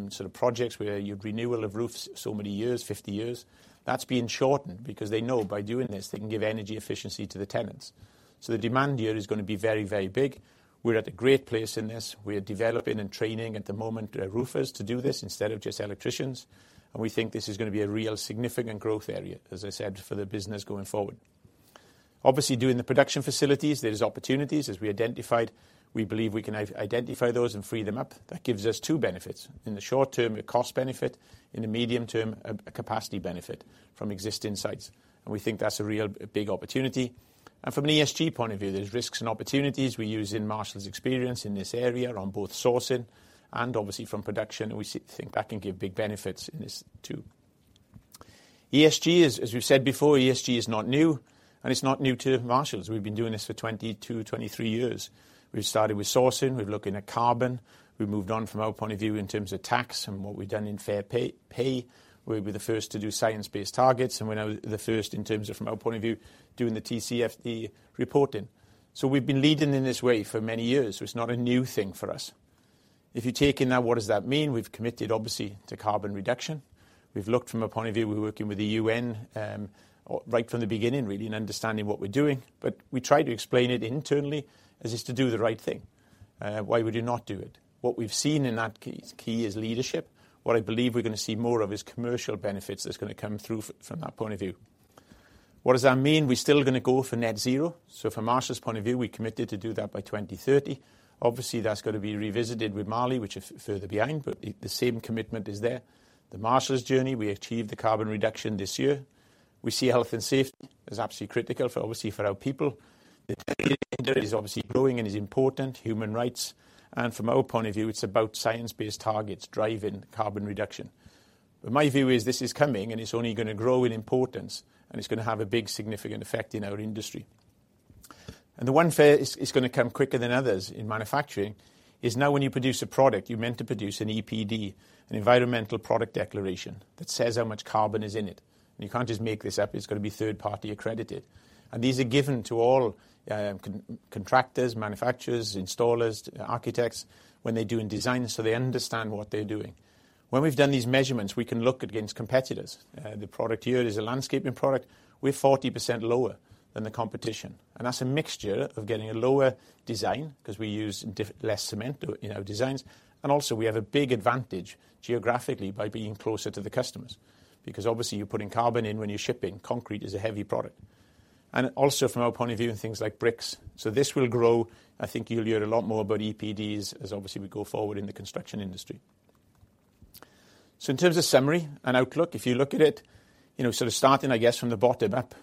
sort of projects where you've renewal of roofs so many years, 50 years. That's being shortened because they know by doing this, they can give energy efficiency to the tenants. The demand here is gonna be very, very big. We're at a great place in this. We're developing and training at the moment, roofers to do this instead of just electricians. We think this is gonna be a real significant growth area, as I said, for the business going forward. Obviously, doing the production facilities, there's opportunities. As we identified, we believe we can identify those and free them up. That gives us two benefits. In the short term, a cost benefit. In the medium term, a capacity benefit from existing sites. We think that's a real big opportunity. From an ESG point of view, there's risks and opportunities we use in Marshalls' experience in this area on both sourcing and obviously from production. We think that can give big benefits in this too. ESG is, as we've said before, ESG is not new, and it's not new to Marshalls. We've been doing this for 22, 23 years. We started with sourcing. We're looking at carbon. We moved on from our point of view in terms of tax and what we've done in fair pay. We're the first to do science-based targets. We're now the first in terms of, from our point of view, doing the TCFD reporting. We've been leading in this way for many years. It's not a new thing for us. If you take in now, what does that mean? We've committed obviously to carbon reduction. We've looked from a point of view, we're working with the UN, right from the beginning, really in understanding what we're doing, but we try to explain it internally as is to do the right thing. Why would you not do it? What we've seen in that key is leadership. What I believe we're gonna see more of is commercial benefits that's gonna come through from that point of view. What does that mean? We're still gonna go for net zero. From Marshalls' point of view, we committed to do that by 2030. Obviously, that's gotta be revisited with Marley, which is further behind, but the same commitment is there. The Marshalls journey, we achieved the carbon reduction this year. We see health and safety as absolutely critical for obviously for our people. The is obviously growing and is important, human rights. From our point of view, it's about science-based targets driving carbon reduction. My view is this is coming, and it's only gonna grow in importance, and it's gonna have a big significant effect in our industry. The one area is gonna come quicker than others in manufacturing is now when you produce a product, you're meant to produce an EPD, an environmental product declaration that says how much carbon is in it. You can't just make this up. It's gotta be third-party accredited. These are given to all contractors, manufacturers, installers, architects when they're doing designs, so they understand what they're doing. When we've done these measurements, we can look against competitors. The product here is a landscaping product. We're 40% lower than the competition. That's a mixture of getting a lower design because we use less cement in our designs. Also we have a big advantage geographically by being closer to the customers, because obviously you're putting carbon in when you're shipping. Concrete is a heavy product. Also from our point of view, in things like bricks. This will grow. I think you'll hear a lot more about EPDs as obviously we go forward in the construction industry. In terms of summary and outlook, if you look at it, you know, sort of starting, I guess, from the bottom up,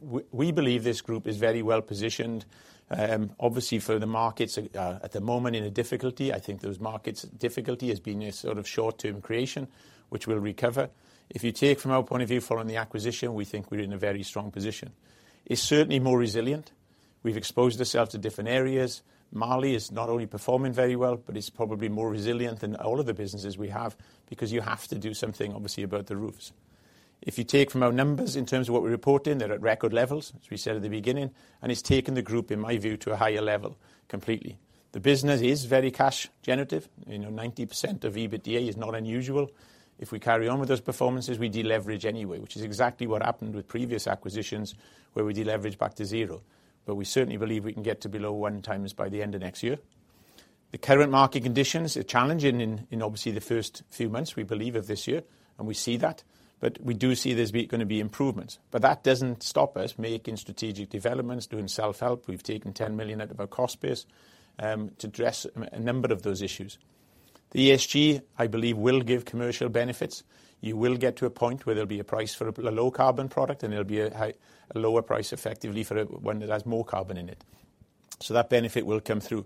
we believe this group is very well-positioned. Obviously for the markets, at the moment in a difficulty, I think those markets difficulty has been a sort of short-term creation, which will recover. If you take from our point of view following the acquisition, we think we're in a very strong position. It's certainly more resilient. We've exposed ourselves to different areas. Marley is not only performing very well, but it's probably more resilient than all of the businesses we have because you have to do something, obviously, about the roofs. If you take from our numbers in terms of what we're reporting, they're at record levels, as we said at the beginning, and it's taken the group, in my view, to a higher level completely. The business is very cash generative. You know, 90% of EBITDA is not unusual. If we carry on with those performances, we deleverage anyway, which is exactly what happened with previous acquisitions, where we deleverage back to zero. We certainly believe we can get to below 1 times by the end of next year. The current market conditions are challenging in obviously the first few months, we believe of this year, and we see that. We do see there's gonna be improvements. That doesn't stop us making strategic developments, doing self-help. We've taken 10 million out of our cost base to address a number of those issues. The ESG, I believe, will give commercial benefits. You will get to a point where there'll be a price for a low carbon product. There'll be a lower price effectively for one that has more carbon in it. That benefit will come through.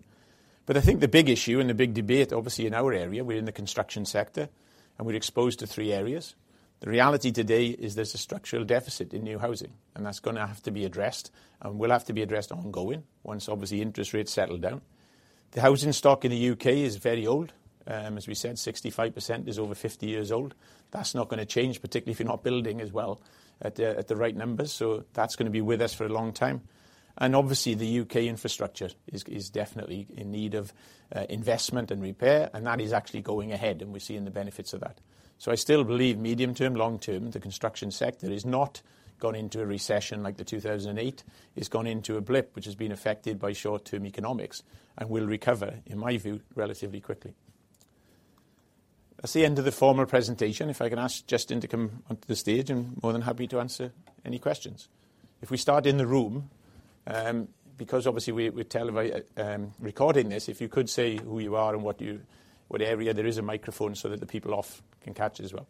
I think the big issue and the big debate, obviously in our area, we're in the construction sector and we're exposed to three areas. The reality today is there's a structural deficit in new housing, and that's gonna have to be addressed and will have to be addressed ongoing once obviously interest rates settle down. The housing stock in the UK is very old. As we said, 65% is over 50 years old. That's not gonna change, particularly if you're not building as well at the, at the right numbers. That's gonna be with us for a long time. Obviously, the U.K. infrastructure is definitely in need of investment and repair, and that is actually going ahead, and we're seeing the benefits of that. I still believe medium term, long term, the construction sector has not gone into a recession like the 2008. It's gone into a blip, which has been affected by short-term economics and will recover, in my view, relatively quickly. That's the end of the formal presentation. If I can ask Justin to come onto the stage, I'm more than happy to answer any questions. If we start in the room, because obviously we recording this, if you could say who you are and what area there is a microphone so that the people off can catch it as well.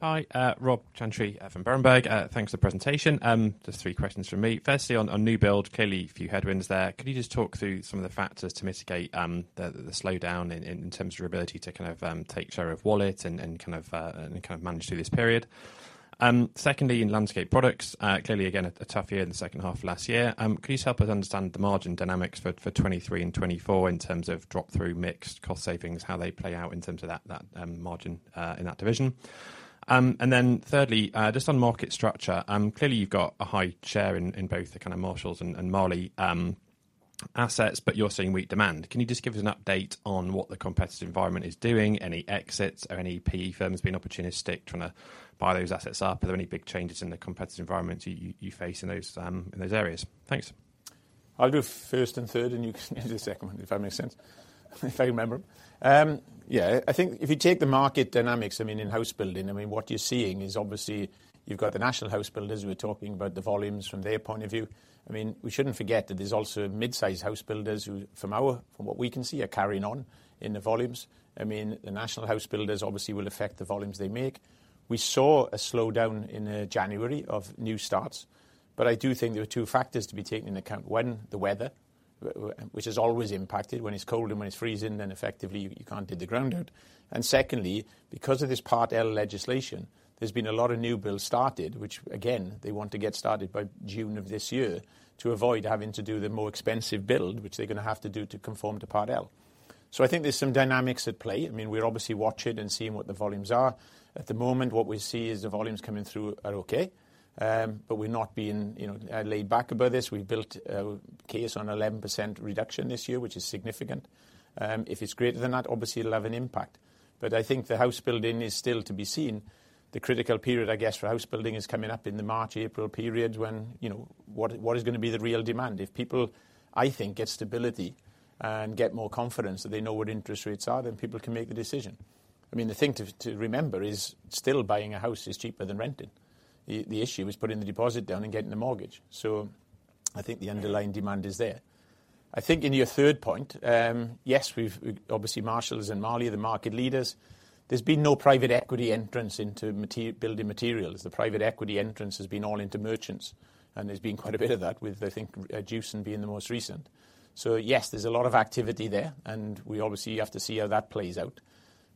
Hi, Robert Chantry from Berenberg. Thanks for the presentation. Just 3 questions from me. Firstly, on new build, clearly a few headwinds there. Could you just talk through some of the factors to mitigate the slowdown in terms of your ability to kind of take share of wallet and kind of manage through this period? Secondly, in landscape products, clearly again, a tough year in the second half of last year. Could you just help us understand the margin dynamics for 2023 and 2024 in terms of drop-through mix, cost savings, how they play out in terms of that margin in that division? Thirdly, just on market structure, clearly you've got a high share in both the kind of Marshalls and Marley. Um- Assets, you're seeing weak demand. Can you just give us an update on what the competitive environment is doing? Any exits or any PE firms being opportunistic trying to buy those assets up? Are there any big changes in the competitive environment you face in those areas? Thanks. I'll go first and third, and you can do the second one, if that makes sense. If I remember them. Yeah, I think if you take the market dynamics, I mean, in house building, I mean, what you're seeing is obviously you've got the national house builders who are talking about the volumes from their point of view. I mean, we shouldn't forget that there's also mid-size house builders who, from our, from what we can see, are carrying on in the volumes. I mean, the national house builders obviously will affect the volumes they make. We saw a slowdown in January of new starts. I do think there are two factors to be taken into account. One, the weather, which has always impacted. When it's cold and when it's freezing, then effectively you can't hit the ground. Secondly, because of this Part L legislation, there's been a lot of new builds started, which again, they want to get started by June of this year to avoid having to do the more expensive build, which they're gonna have to do to conform to Part L. I think there's some dynamics at play. I mean, we're obviously watching and seeing what the volumes are. At the moment, what we see is the volumes coming through are okay. but we're not being, you know, laid back about this. We've built a case on 11% reduction this year, which is significant. If it's greater than that, obviously it'll have an impact. I think the house building is still to be seen. The critical period, I guess, for house building is coming up in the March-April period when, you know, what is gonna be the real demand? If people, I think, get stability and get more confidence that they know what interest rates are, then people can make a decision. I mean, the thing to remember is still buying a house is cheaper than renting. The issue is putting the deposit down and getting a mortgage. I think the underlying demand is there. I think in your third point, yes, we've obviously Marshalls and Marley are the market leaders. There's been no private equity entrance into building materials. The private equity entrance has been all into merchants, and there's been quite a bit of that with, I think, Justin being the most recent. Yes, there's a lot of activity there, and we obviously have to see how that plays out.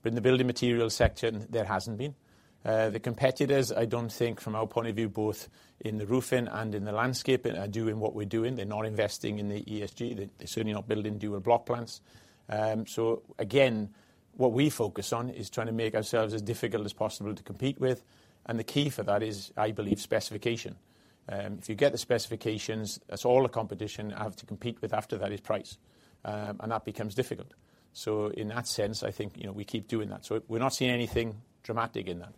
In the building materials section, there hasn't been. The competitors, I don't think from our point of view, both in the roofing and in the landscaping, are doing what we're doing. They're not investing in the ESG. They're certainly not building dual block plants. Again, what we focus on is trying to make ourselves as difficult as possible to compete with, and the key for that is, I believe, specification. If you get the specifications, that's all the competition have to compete with after that is price, and that becomes difficult. In that sense, I think, you know, we keep doing that. We're not seeing anything dramatic in that.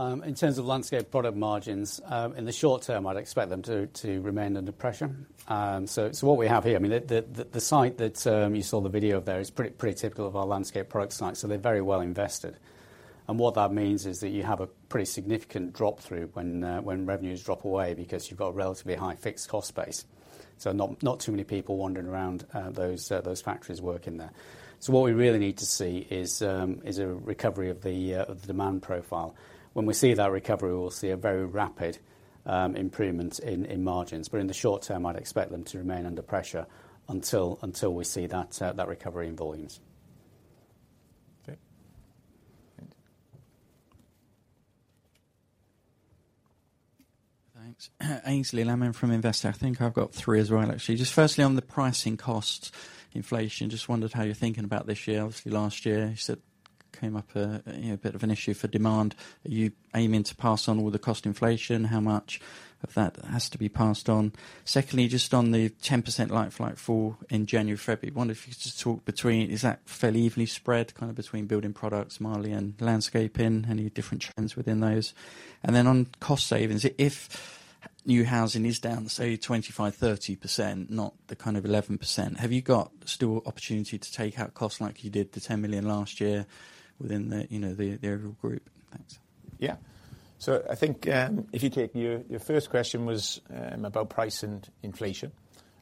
In terms of landscape product margins, in the short term, I'd expect them to remain under pressure. What we have here, I mean, the site that you saw the video of there is pretty typical of our landscape product site, so they're very well invested. What that means is that you have a pretty significant drop through when revenues drop away because you've got a relatively high fixed cost base. Not too many people wandering around those factories working there. What we really need to see is a recovery of the demand profile. When we see that recovery, we'll see a very rapid improvement in margins. In the short term, I'd expect them to remain under pressure until we see that recovery in volumes. Okay. Thank you. Thanks. Aynsley Lammin from Investec. I think I've got three as well, actually. Firstly on the pricing cost inflation, just wondered how you're thinking about this year. Obviously last year you said came up, you know, a bit of an issue for demand. Are you aiming to pass on all the cost inflation? How much of that has to be passed on? Secondly on the 10% like for like for in January, February, wonder if you could just talk between, is that fairly evenly spread, kind of between Building Products, Marley and Landscaping? Any different trends within those? On cost savings, if new housing is down, say 25%-30%, not the kind of 11%, have you got still opportunity to take out costs like you did the 10 million last year within the, you know, the overall group? Thanks. Yeah. I think, if you take your first question was about price and inflation.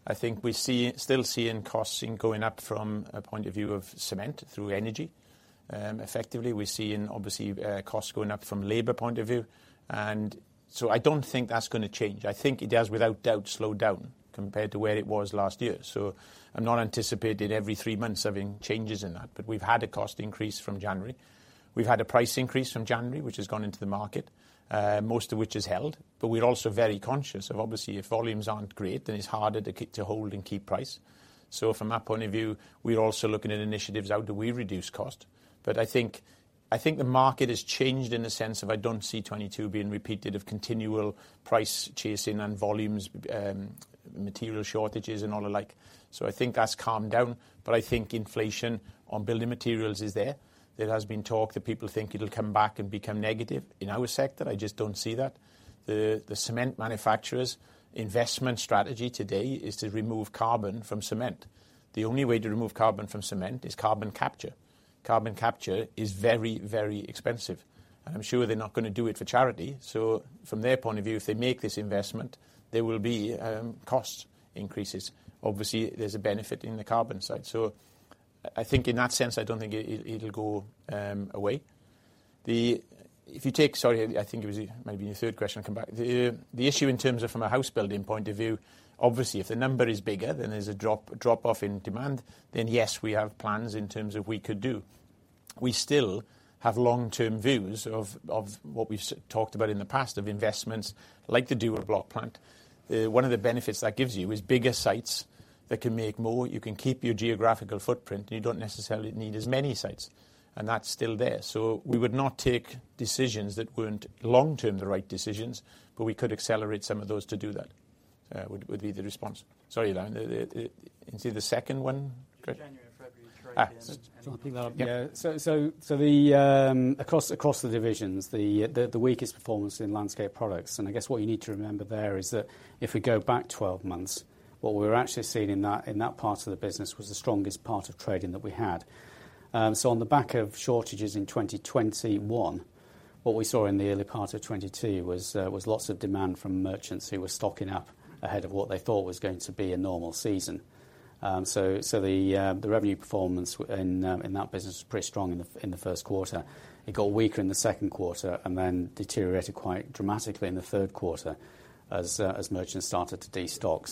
I think we're still seeing costs going up from a point of view of cement through energy. Effectively, we're seeing obviously, costs going up from labor point of view. I don't think that's gonna change. I think it has without doubt slowed down compared to where it was last year. I'm not anticipating every 3 months having changes in that, we've had a cost increase from January. We've had a price increase from January, which has gone into the market, most of which is held. We're also very conscious of obviously if volumes aren't great, then it's harder to hold and keep price. From that point of view, we're also looking at initiatives how do we reduce cost. I think the market has changed in the sense of I don't see 22 being repeated of continual price chasing and volumes, material shortages and all the like. I think that's calmed down, but I think inflation on building materials is there. There has been talk that people think it'll come back and become negative. In our sector, I just don't see that. The cement manufacturer's investment strategy today is to remove carbon from cement. The only way to remove carbon from cement is carbon capture. Carbon capture is very, very expensive, and I'm sure they're not gonna do it for charity. From their point of view, if they make this investment, there will be cost increases. Obviously, there's a benefit in the carbon side. I think in that sense, I don't think it'll go away. If you take... Sorry, I think it was maybe your third question. I'll come back. The issue in terms of from a house building point of view, obviously, if the number is bigger, then there's a drop off in demand, then yes, we have plans in terms of we could do. We still have long-term views of what we've talked about in the past, of investments like the dual block plant. One of the benefits that gives you is bigger sites that can make more. You can keep your geographical footprint, and you don't necessarily need as many sites, and that's still there. We would not take decisions that weren't long-term the right decisions, but we could accelerate some of those to do that, would be the response. Sorry, Alan, is it the second one? January. Yeah. The across the divisions, the weakest performance in Landscape Products, and I guess what you need to remember there is that if we go back 12 months, what we're actually seeing in that part of the business was the strongest part of trading that we had. On the back of shortages in 2021, what we saw in the early part of 2022 was lots of demand from merchants who were stocking up ahead of what they thought was going to be a normal season. The revenue performance in that business was pretty strong in the first quarter. It got weaker in the second quarter, and then deteriorated quite dramatically in the third quarter as merchants started to de-stock.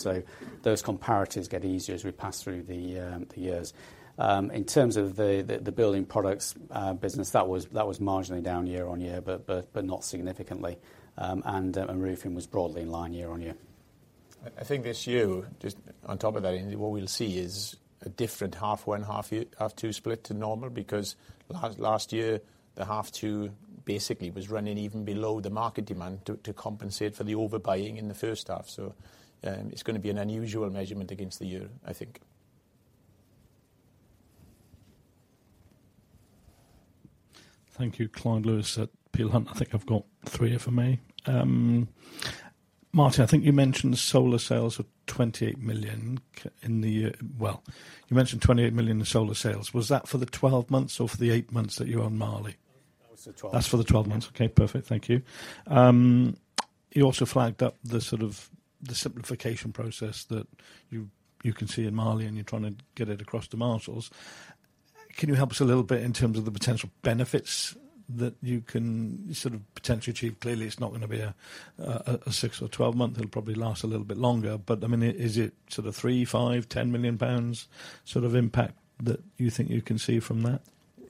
Those comparatives get easier as we pass through the years. In terms of the Building Products business, that was marginally down year-on-year, but not significantly. Roofing was broadly in line year-on-year. I think this year, just on top of that, what we'll see is a different half one, half two split to normal because last year, the half two basically was running even below the market demand to compensate for the overbuying in the first half. It's gonna be an unusual measurement against the year, I think. Thank you, Clyde Lewis at Peel Hunt. I think I've got three here for me. Martyn, I think you mentioned 28 million in solar sales. Was that for the 12 months or for the 8 months that you own Marley? That was the 12. That's for the 12 months. Yeah. Okay, perfect. Thank you. You also flagged up the sort of the simplification process that you can see in Marley and you're trying to get it across to Marshalls. Can you help us a little bit in terms of the potential benefits that you can sort of potentially achieve? Clearly, it's not gonna be a 6 or 12-month. It'll probably last a little bit longer. I mean, is it sort of 3, 5, 10 million pounds sort of impact that you think you can see from that?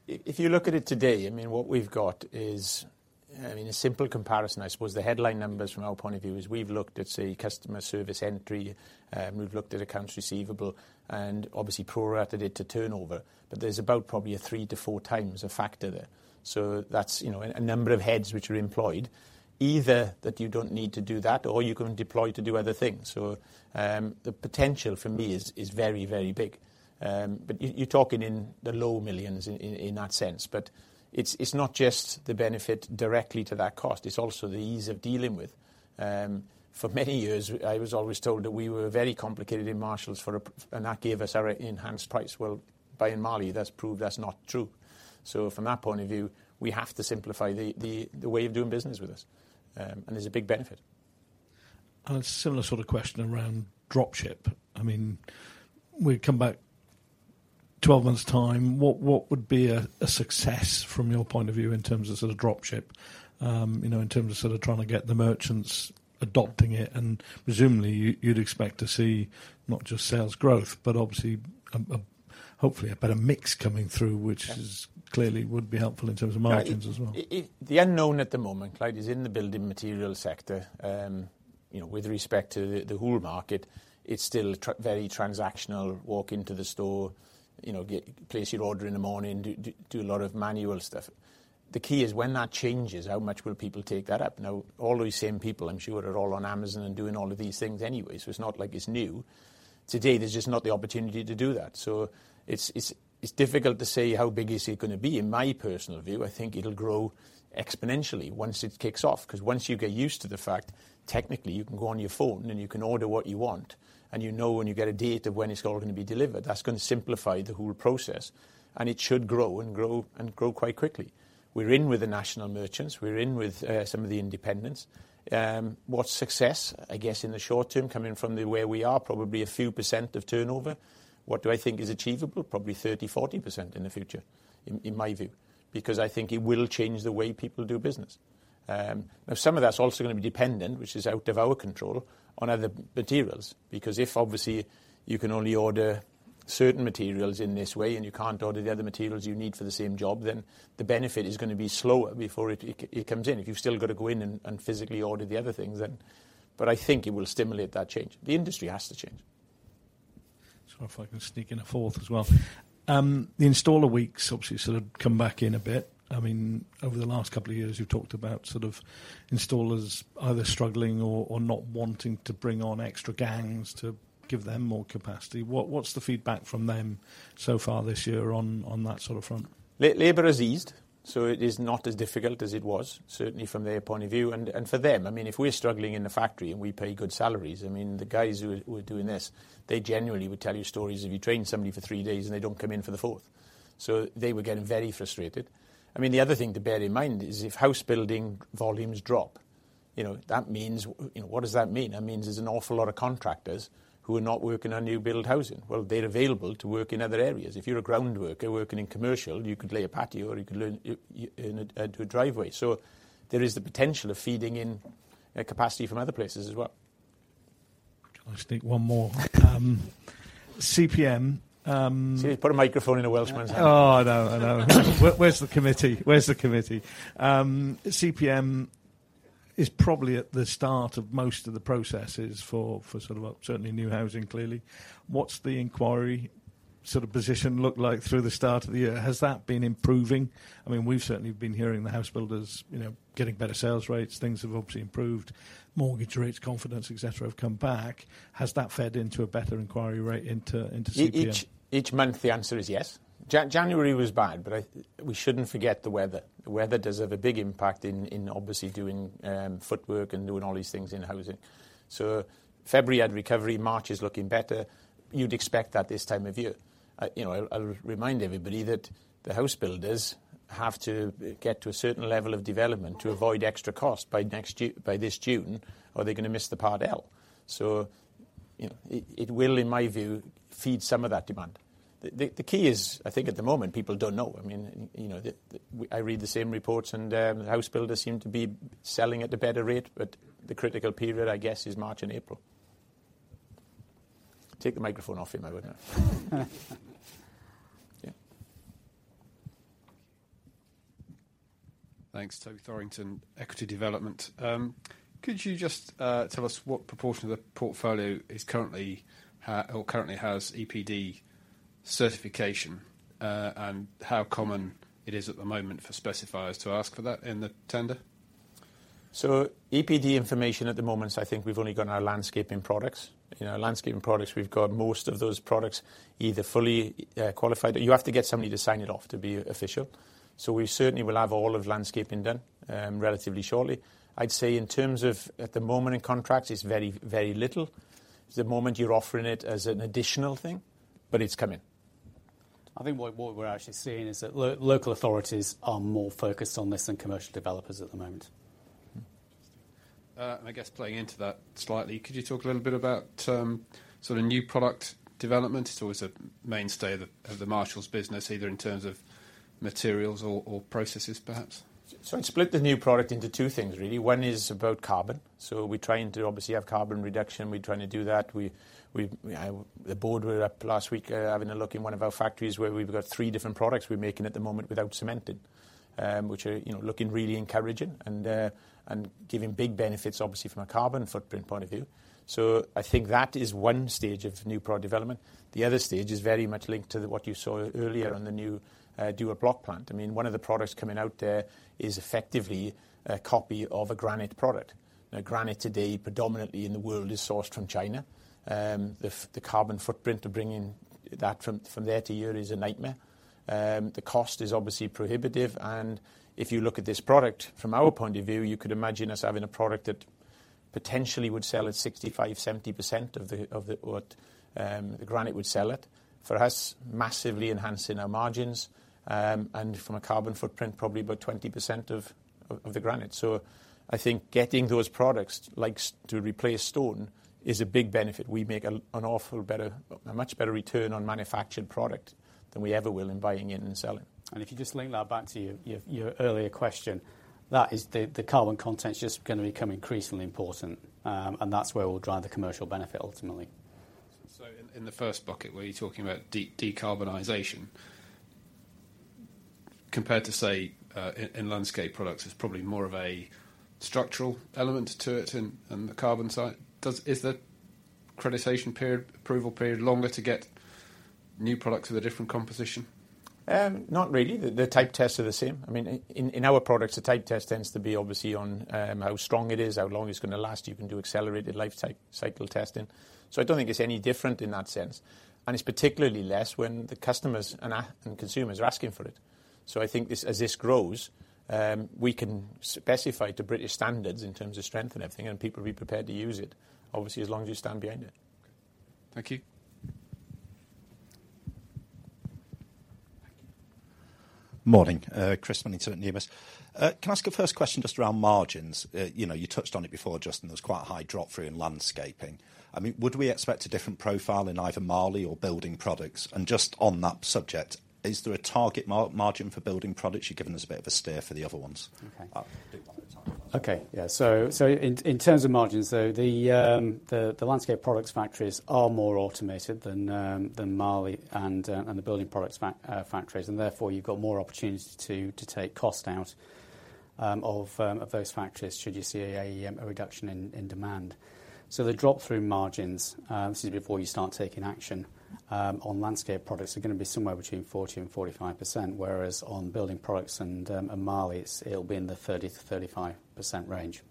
If you look at it today, I mean, what we've got is, I mean, a simple comparison, I suppose the headline numbers from our point of view is we've looked at, say, customer service entry, we've looked at accounts receivable and obviously prorated it to turnover. There's about probably a 3 to 4 times of factor there. That's, you know, a number of heads which are employed either that you don't need to do that or you can deploy to do other things. The potential for me is very, very big. You're talking in the low millions in that sense. It's not just the benefit directly to that cost. It's also the ease of dealing with. For many years, I was always told that we were very complicated in Marshalls and that gave us our enhanced price. Buying Marley, that's proved that's not true. From that point of view, we have to simplify the, the way of doing business with us. There's a big benefit. A similar sort of question around Dropship. I mean, we come back 12 months' time, what would be a success from your point of view in terms of sort of Dropship? you know, in terms of sort of trying to get the merchants adopting it and presumably you'd expect to see not just sales growth, but obviously, hopefully a better mix coming through, which is clearly would be helpful in terms of margins as well. The unknown at the moment, Clyde, is in the building material sector. you know, with respect to the whole market, it's still very transactional, walk into the store, you know, get place your order in the morning, do a lot of manual stuff. The key is when that changes, how much will people take that up? All those same people, I'm sure are all on Amazon and doing all of these things anyway, so it's not like it's new. Today, there's just not the opportunity to do that. it's difficult to say how big is it gonna be. In my personal view, I think it'll grow exponentially once it kicks off. Once you get used to the fact, technically you can go on your phone and you can order what you want, and you know when you get a date of when it's all gonna be delivered, that's gonna simplify the whole process and it should grow and grow and grow quite quickly. We're in with the national merchants, we're in with some of the independents. What's success, I guess, in the short term, coming from the where we are, probably a few % of turnover. What do I think is achievable? Probably 30%, 40% in the future, in my view. I think it will change the way people do business. Now some of that's also gonna be dependent, which is out of our control on other materials. If obviously you can only order certain materials in this way and you can't order the other materials you need for the same job, then the benefit is gonna be slower before it comes in. If you've still gotta go in and physically order the other things then, I think it will stimulate that change. The industry has to change. If I can sneak in a fourth as well. The installer weeks obviously sort of come back in a bit. Over the last couple of years, you've talked about sort of installers either struggling or not wanting to bring on extra gangs to give them more capacity. What's the feedback from them so far this year on that sort of front? Labor has eased. It is not as difficult as it was, certainly from their point of view. For them, I mean, if we're struggling in the factory and we pay good salaries, I mean, the guys who are doing this, they genuinely would tell you stories if you train somebody for three days and they don't come in for the fourth. They were getting very frustrated. I mean, the other thing to bear in mind is if house building volumes drop, you know, that means, you know, what does that mean? That means there's an awful lot of contractors who are not working on new build housing. Well, they're available to work in other areas. If you're a ground worker working in commercial, you could lay a patio or you could learn, do a driveway. There is the potential of feeding in capacity from other places as well. Can I just take one more? CPM. See you put a microphone in a Welshman's hand. Oh, I know, I know. Where's the committee? Where's the committee? Is probably at the start of most of the processes for sort of certainly new housing, clearly. What's the inquiry sort of position look like through the start of the year? Has that been improving? I mean, we've certainly been hearing the house builders, you know, getting better sales rates. Things have obviously improved. Mortgage rates, confidence, et cetera, have come back. Has that fed into a better inquiry rate into CPM? Each month the answer is yes. January was bad, but we shouldn't forget the weather. The weather does have a big impact in obviously doing footwork and doing all these things in housing. February had recovery. March is looking better. You'd expect that this time of year. you know, I'll remind everybody that the house builders have to get to a certain level of development to avoid extra cost by this June, or they're gonna miss the Part L. you know, it will, in my view, feed some of that demand. The key is, I think at the moment, people don't know. I mean, you know, I read the same reports, and house builders seem to be selling at a better rate, but the critical period, I guess, is March and April. Take the microphone off him, I would now. Yeah. Thanks. Toby Thorrington, Equity Development. Could you just tell us what proportion of the portfolio is currently has EPD certification, and how common it is at the moment for specifiers to ask for that in the tender? EPD information at the moment is I think we've only got in our landscaping products. In our landscaping products we've got most of those products either fully qualified. You have to get somebody to sign it off to be official. We certainly will have all of landscaping done relatively shortly. I'd say in terms of at the moment in contracts, it's very, very little. At the moment you're offering it as an additional thing, it's coming. I think what we're actually seeing is that local authorities are more focused on this than commercial developers at the moment. I guess playing into that slightly, could you talk a little bit about sort of new product development? It's always a mainstay of the Marshalls business, either in terms of materials or processes perhaps. I'd split the new product into two things really. One is about carbon. We're trying to obviously have carbon reduction. We're trying to do that. We have. The board were up last week, having a look in one of our factories where we've got three different products we're making at the moment without cementing, which are, you know, looking really encouraging and giving big benefits obviously from a carbon footprint point of view. I think that is one stage of new product development. The other stage is very much linked to the, what you saw earlier on the new dual block plant. I mean, one of the products coming out there is effectively a copy of a granite product. Granite today predominantly in the world is sourced from China. The carbon footprint to bring in that from there to here is a nightmare. The cost is obviously prohibitive. If you look at this product from our point of view, you could imagine us having a product that potentially would sell at 65%, 70% of the what the granite would sell at. For us, massively enhancing our margins, and from a carbon footprint, probably about 20% of the granite. I think getting those products likes to replace stone is a big benefit. We make a much better return on manufactured product than we ever will in buying it and selling. If you just link that back to your earlier question, that is the carbon content's just gonna become increasingly important. That's where we'll drive the commercial benefit ultimately. In the first bucket, where you're talking about decarbonization compared to, say, in landscape products is probably more of a structural element to it and the carbon side. Is the accreditation period, approval period longer to get new products with a different composition? Not really. The type tests are the same. I mean, in our products, the type test tends to be obviously on how strong it is, how long it's gonna last. You can do accelerated life cycle testing. I don't think it's any different in that sense. It's particularly less when the customers and consumers are asking for it. I think this, as this grows, we can specify to British Standards in terms of strength and everything, and people will be prepared to use it, obviously, as long as you stand behind it. Thank you. Thank you. Morning. Chris Millington at Numis. Can I ask a first question just around margins? You know, you touched on it before, Justin. There's quite high drop through in Landscaping. I mean, would we expect a different profile in either Marley or Building Products? Just on that subject, is there a target margin for Building Products? You've given us a bit of a steer for the other ones. Okay. I'll do one at a time. Okay. Yeah. In terms of margins though, the Landscape Products factories are more automated than Marley and the Building Products factories, and therefore you've got more opportunities to take cost out of those factories should you see a reduction in demand. The drop through margins, this is before you start taking action on Landscape Products, are gonna be somewhere between 40%-45%, whereas on Building Products and Marley, it's, it'll be in the 30%-35% range.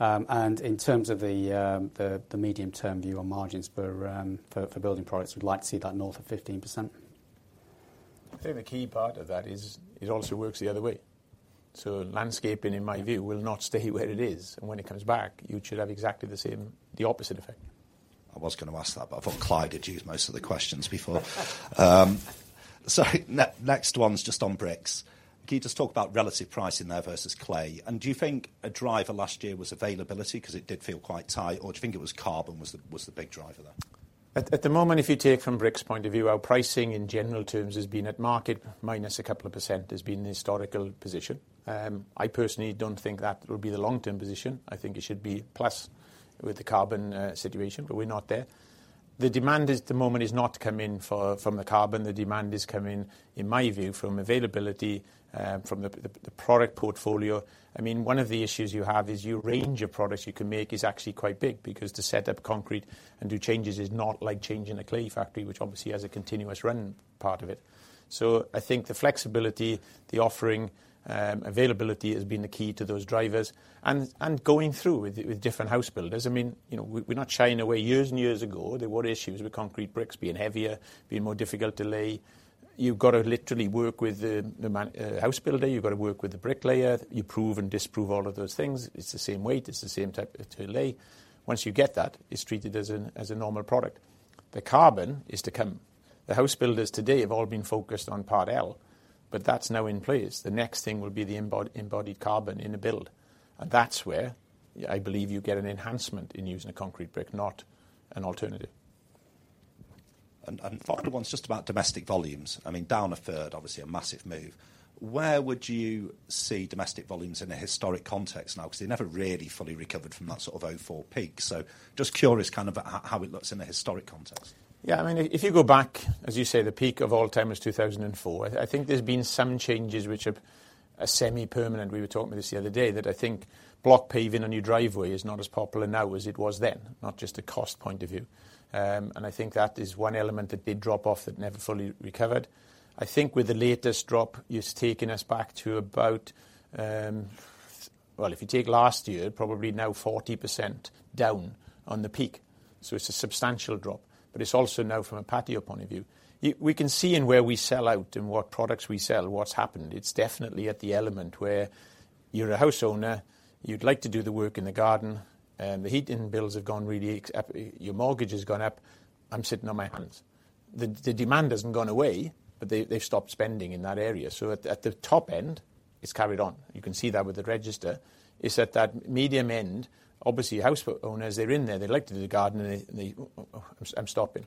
In terms of the medium-term view on margins for Building Products, we'd like to see that north of 15%. I think the key part of that is it also works the other way. Landscaping, in my view, will not stay where it is, and when it comes back, you should have exactly the same, the opposite effect. I was gonna ask that. I thought Clyde had used most of the questions before. Next one's just on bricks. Can you just talk about relative pricing there versus clay? Do you think a driver last year was availability 'cause it did feel quite tight, or do you think it was carbon was the big driver there? At the moment, if you take from bricks point of view, our pricing in general terms has been at market minus a couple of percent has been the historical position. I personally don't think that will be the long-term position. I think it should be plus with the carbon situation, but we're not there. The demand at the moment is not coming from the carbon. The demand is coming, in my view, from availability, from the product portfolio. I mean, one of the issues you have is your range of products you can make is actually quite big because to set up concrete and do changes is not like changing a clay factory, which obviously has a continuous run part of it. I think the flexibility, the offering, availability has been the key to those drivers. Going through with different house builders. I mean, you know, we're not shying away. Years and years ago, there were issues with concrete bricks being heavier, being more difficult to lay. You've got to literally work with the house builder, you've got to work with the bricklayer. You prove and disprove all of those things. It's the same weight. It's the same type to lay. Once you get that, it's treated as a normal product. The carbon is to come. The house builders today have all been focused on Part L, that's now in place. The next thing will be the embodied carbon in the build. That's where, I believe you get an enhancement in using a concrete brick, not an alternative. Final one's just about domestic volumes. I mean, down a third, obviously a massive move. Where would you see domestic volumes in a historic context now? 'Cause they never really fully recovered from that sort of 2004 peak. Just curious kind of about how it looks in the historic context. I mean, if you go back, as you say, the peak of all time was 2004. I think there's been some changes which have are semi-permanent. We were talking this the other day, that I think block paving a new driveway is not as popular now as it was then, not just a cost point of view. I think that is one element that did drop off that never fully recovered. I think with the latest drop, it's taken us back to about, well, if you take last year, probably now 40% down on the peak. It's a substantial drop, but it's also now from a patio point of view. We can see in where we sell out and what products we sell, what's happened. It's definitely at the element where you're a house owner. You'd like to do the work in the garden, the heating bills have gone really Your mortgage has gone up. I'm sitting on my hands. The demand hasn't gone away, but they've stopped spending in that area. At the top end, it's carried on. You can see that with Marshalls Register. It's at that medium end, obviously, house owners, they're in there, they like to do the garden, and they, I'm stopping.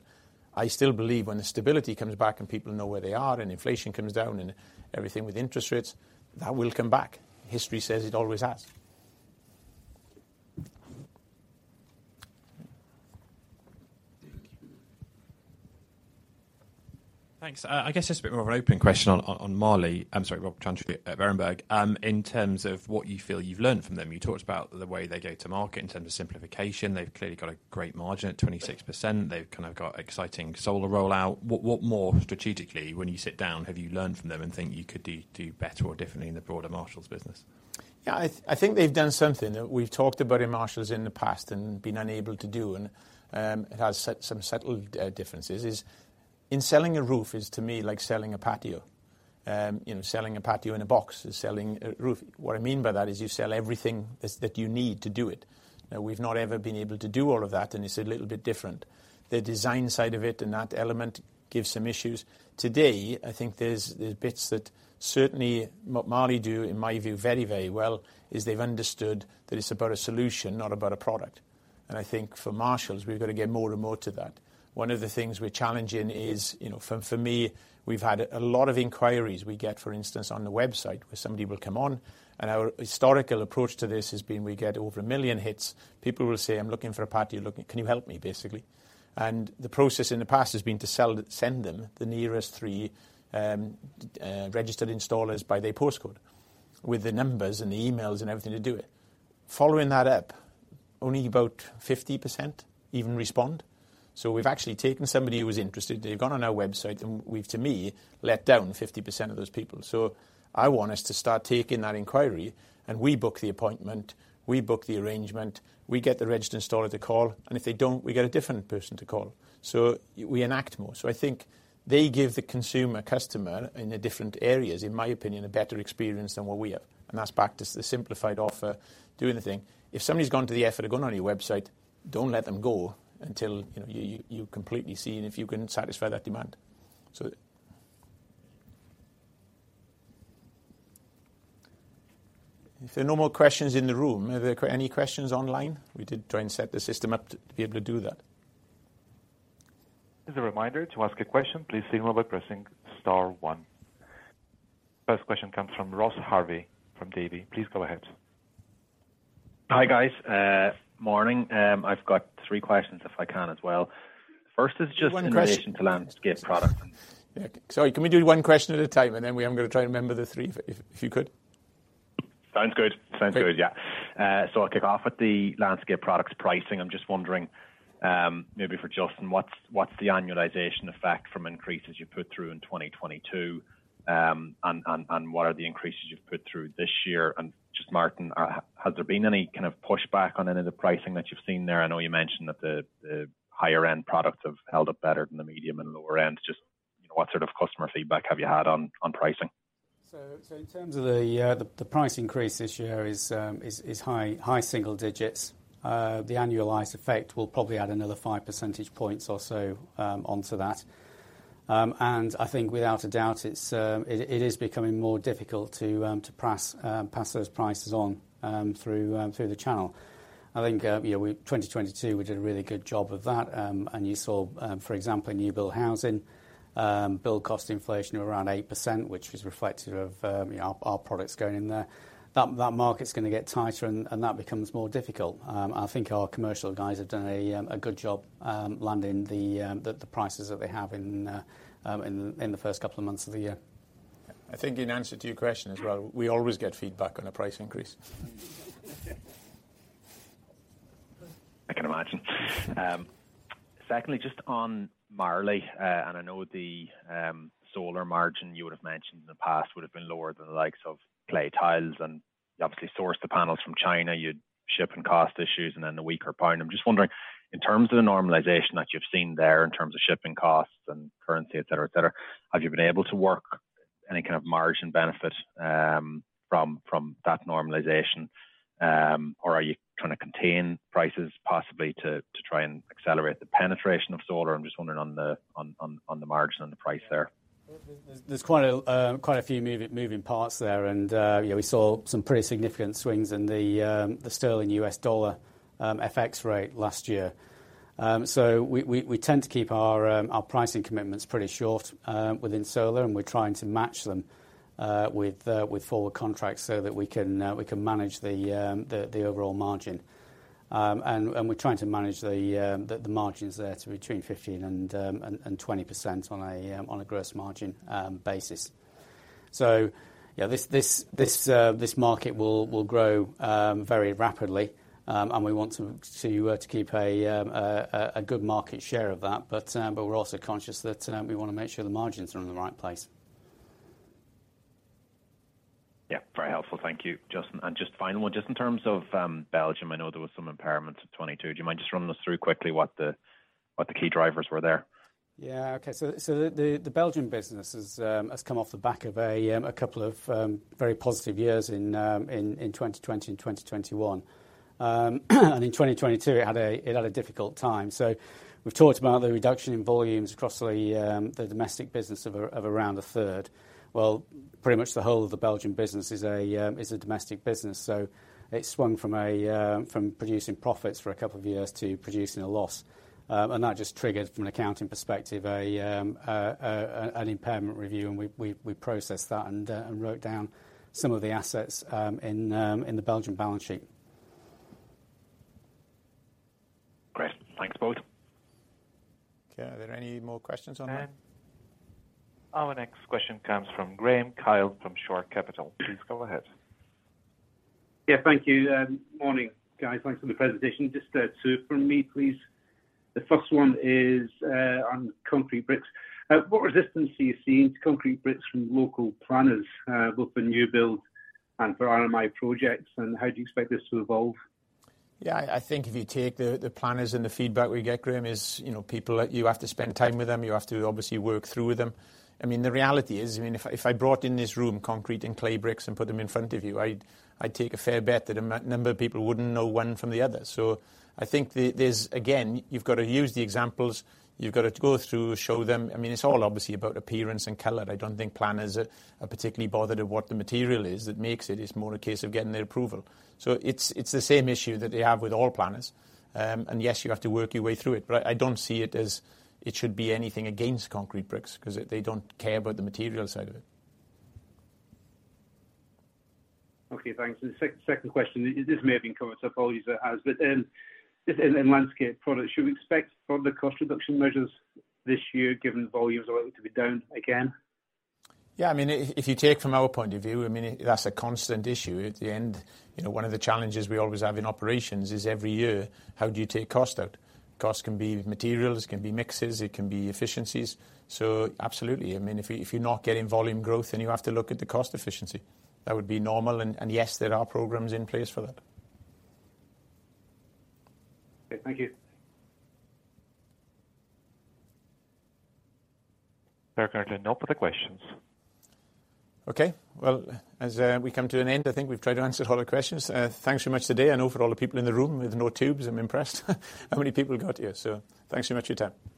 I still believe when the stability comes back and people know where they are and inflation comes down and everything with interest rates, that will come back. History says it always has. Thank you. Thanks. I guess just a bit more of an open question on Martyn. I'm sorry, Robert Chantry at Berenberg. In terms of what you feel you've learned from them, you talked about the way they go to market in terms of simplification. They've clearly got a great margin at 26%. They've kind of got exciting solar rollout. What more strategically, when you sit down, have you learned from them and think you could do better or differently in the broader Marshalls business? Yeah, I think they've done something that we've talked about in Marshalls in the past and been unable to do, and it has set some subtle differences, is in selling a roof is to me like selling a patio. You know, selling a patio in a box is selling a roof. What I mean by that is you sell everything that you need to do it. Now, we've not ever been able to do all of that, and it's a little bit different. The design side of it and that element gives some issues. Today, I think there's bits that certainly what Marley do, in my view, very, very well, is they've understood that it's about a solution, not about a product. I think for Marshalls, we've got to get more and more to that. One of the things we're challenging is, you know, for me, we've had a lot of inquiries we get, for instance, on the website where somebody will come on, our historical approach to this has been we get over 1 million hits. People will say, "I'm looking for a patio. Look, can you help me?" Basically. The process in the past has been to send them the nearest three registered installers by their postcode with the numbers and the emails and everything to do it. Following that up, only about 50% even respond. We've actually taken somebody who was interested, they've gone on our website, and we've to me, let down 50% of those people. I want us to start taking that inquiry, and we book the appointment, we book the arrangement, we get the registered installer to call, and if they don't, we get a different person to call. We enact more. I think they give the consumer customer in the different areas, in my opinion, a better experience than what we have. That's back to the simplified offer, doing the thing. If somebody's gone to the effort of going on your website, don't let them go until, you know, you completely see and if you can satisfy that demand. If there are no more questions in the room, are there any questions online? We did try and set the system up to be able to do that. As a reminder, to ask a question, please signal by pressing star one. First question comes from Ross Harvey, from Davy. Please go ahead. Hi, guys. morning. I've got 3 questions if I can as well. First is. 1 question. In relation to landscape product. Sorry, can we do one question at a time, and then we haven't got to try and remember the three, if you could? Sounds good. Sounds good. Okay. Yeah. I'll kick off with the landscape products pricing. I'm just wondering, maybe for Justin, what's the annualization effect from increases you put through in 2022? What are the increases you've put through this year? Just Martyn, has there been any kind of pushback on any of the pricing that you've seen there? I know you mentioned that the higher end products have held up better than the medium and lower end. Just, you know, what sort of customer feedback have you had on pricing? In terms of the price increase this year is high single digits. The annualized effect will probably add another 5 percentage points or so onto that. I think without a doubt, it is becoming more difficult to pass those prices on through the channel. I think, you know, 2022, we did a really good job of that. You saw, for example, in new build housing, build cost inflation of around 8%, which was reflective of, you know, our products going in there. That market's gonna get tighter and that becomes more difficult. I think our commercial guys have done a good job landing the prices that they have in the first 2 months of the year. I think in answer to your question as well, we always get feedback on a price increase. I can imagine. Secondly, just on Martyn, I know the solar margin you would have mentioned in the past would have been lower than the likes of clay tiles, and you obviously source the panels from China, you had shipping cost issues and then the weaker pound. I'm just wondering, in terms of the normalization that you've seen there in terms of shipping costs and currency, et cetera, et cetera, have you been able to work any kind of margin benefit from that normalization? Or are you trying to contain prices possibly to try and accelerate the penetration of solar? I'm just wondering on the margin and the price there. There's quite a few moving parts there and, you know, we saw some pretty significant swings in the sterling US dollar FX rate last year. We tend to keep our pricing commitments pretty short within solar, and we're trying to match them with forward contracts so that we can manage the overall margin. We're trying to manage the margins there to between 15% and 20% on a gross margin basis. Yeah, this market will grow very rapidly, and we want to keep a good market share of that. We're also conscious that we wanna make sure the margins are in the right place. Yeah. Very helpful. Thank you, Justin. Just final one, just in terms of Belgium, I know there was some impairments of 22. Do you mind just running us through quickly what the key drivers were there? Okay. The Belgium business has come off the back of a couple of very positive years in 2020 and 2021. In 2022, it had a difficult time. We've talked about the reduction in volumes across the domestic business of around a third. Pretty much the whole of the Belgium business is a domestic business. It swung from producing profits for a couple of years to producing a loss. That just triggered, from an accounting perspective, an impairment review. We processed that and wrote down some of the assets in the Belgium balance sheet. Great. Thanks both. Okay. Are there any more questions online? Our next question comes from Graeme Kyle from Shore Capital. Please go ahead. Thank you. Morning, guys. Thanks for the presentation. Just two from me, please. The first one is on concrete bricks. What resistance are you seeing to concrete bricks from local planners, both for new build and for RMI projects, and how do you expect this to evolve? I think if you take the planners and the feedback we get, Graeme, is, you know, people that you have to spend time with them, you have to obviously work through with them. I mean, the reality is, I mean, if I brought in this room concrete and clay bricks and put them in front of you, I'd take a fair bet that a number of people wouldn't know one from the other. I think there's again, you've got to use the examples, you've got to go through, show them. I mean, it's all obviously about appearance and color. I don't think planners are particularly bothered of what the material is that makes it. It's more a case of getting their approval. It's the same issue that they have with all planners. Yes, you have to work your way through it. I don't see it as it should be anything against concrete bricks 'cause they don't care about the material side of it. Okay, thanks. Second question, this may have been covered, apologies if it has. Just in Landscape Products, should we expect further cost reduction measures this year given volumes are likely to be down again? Yeah. I mean, if you take from our point of view, I mean, that's a constant issue. At the end, you know, one of the challenges we always have in operations is every year, how do you take cost out? Cost can be materials, it can be mixes, it can be efficiencies. Absolutely. I mean, if you're not getting volume growth, then you have to look at the cost efficiency. That would be normal. Yes, there are programs in place for that. Okay, thank you. There are currently no further questions. Okay. Well, as we come to an end, I think we've tried to answer all the questions. Thanks so much today. I know for all the people in the room with no tubes, I'm impressed how many people got here. Thanks so much for your time. Thank you. Thank you.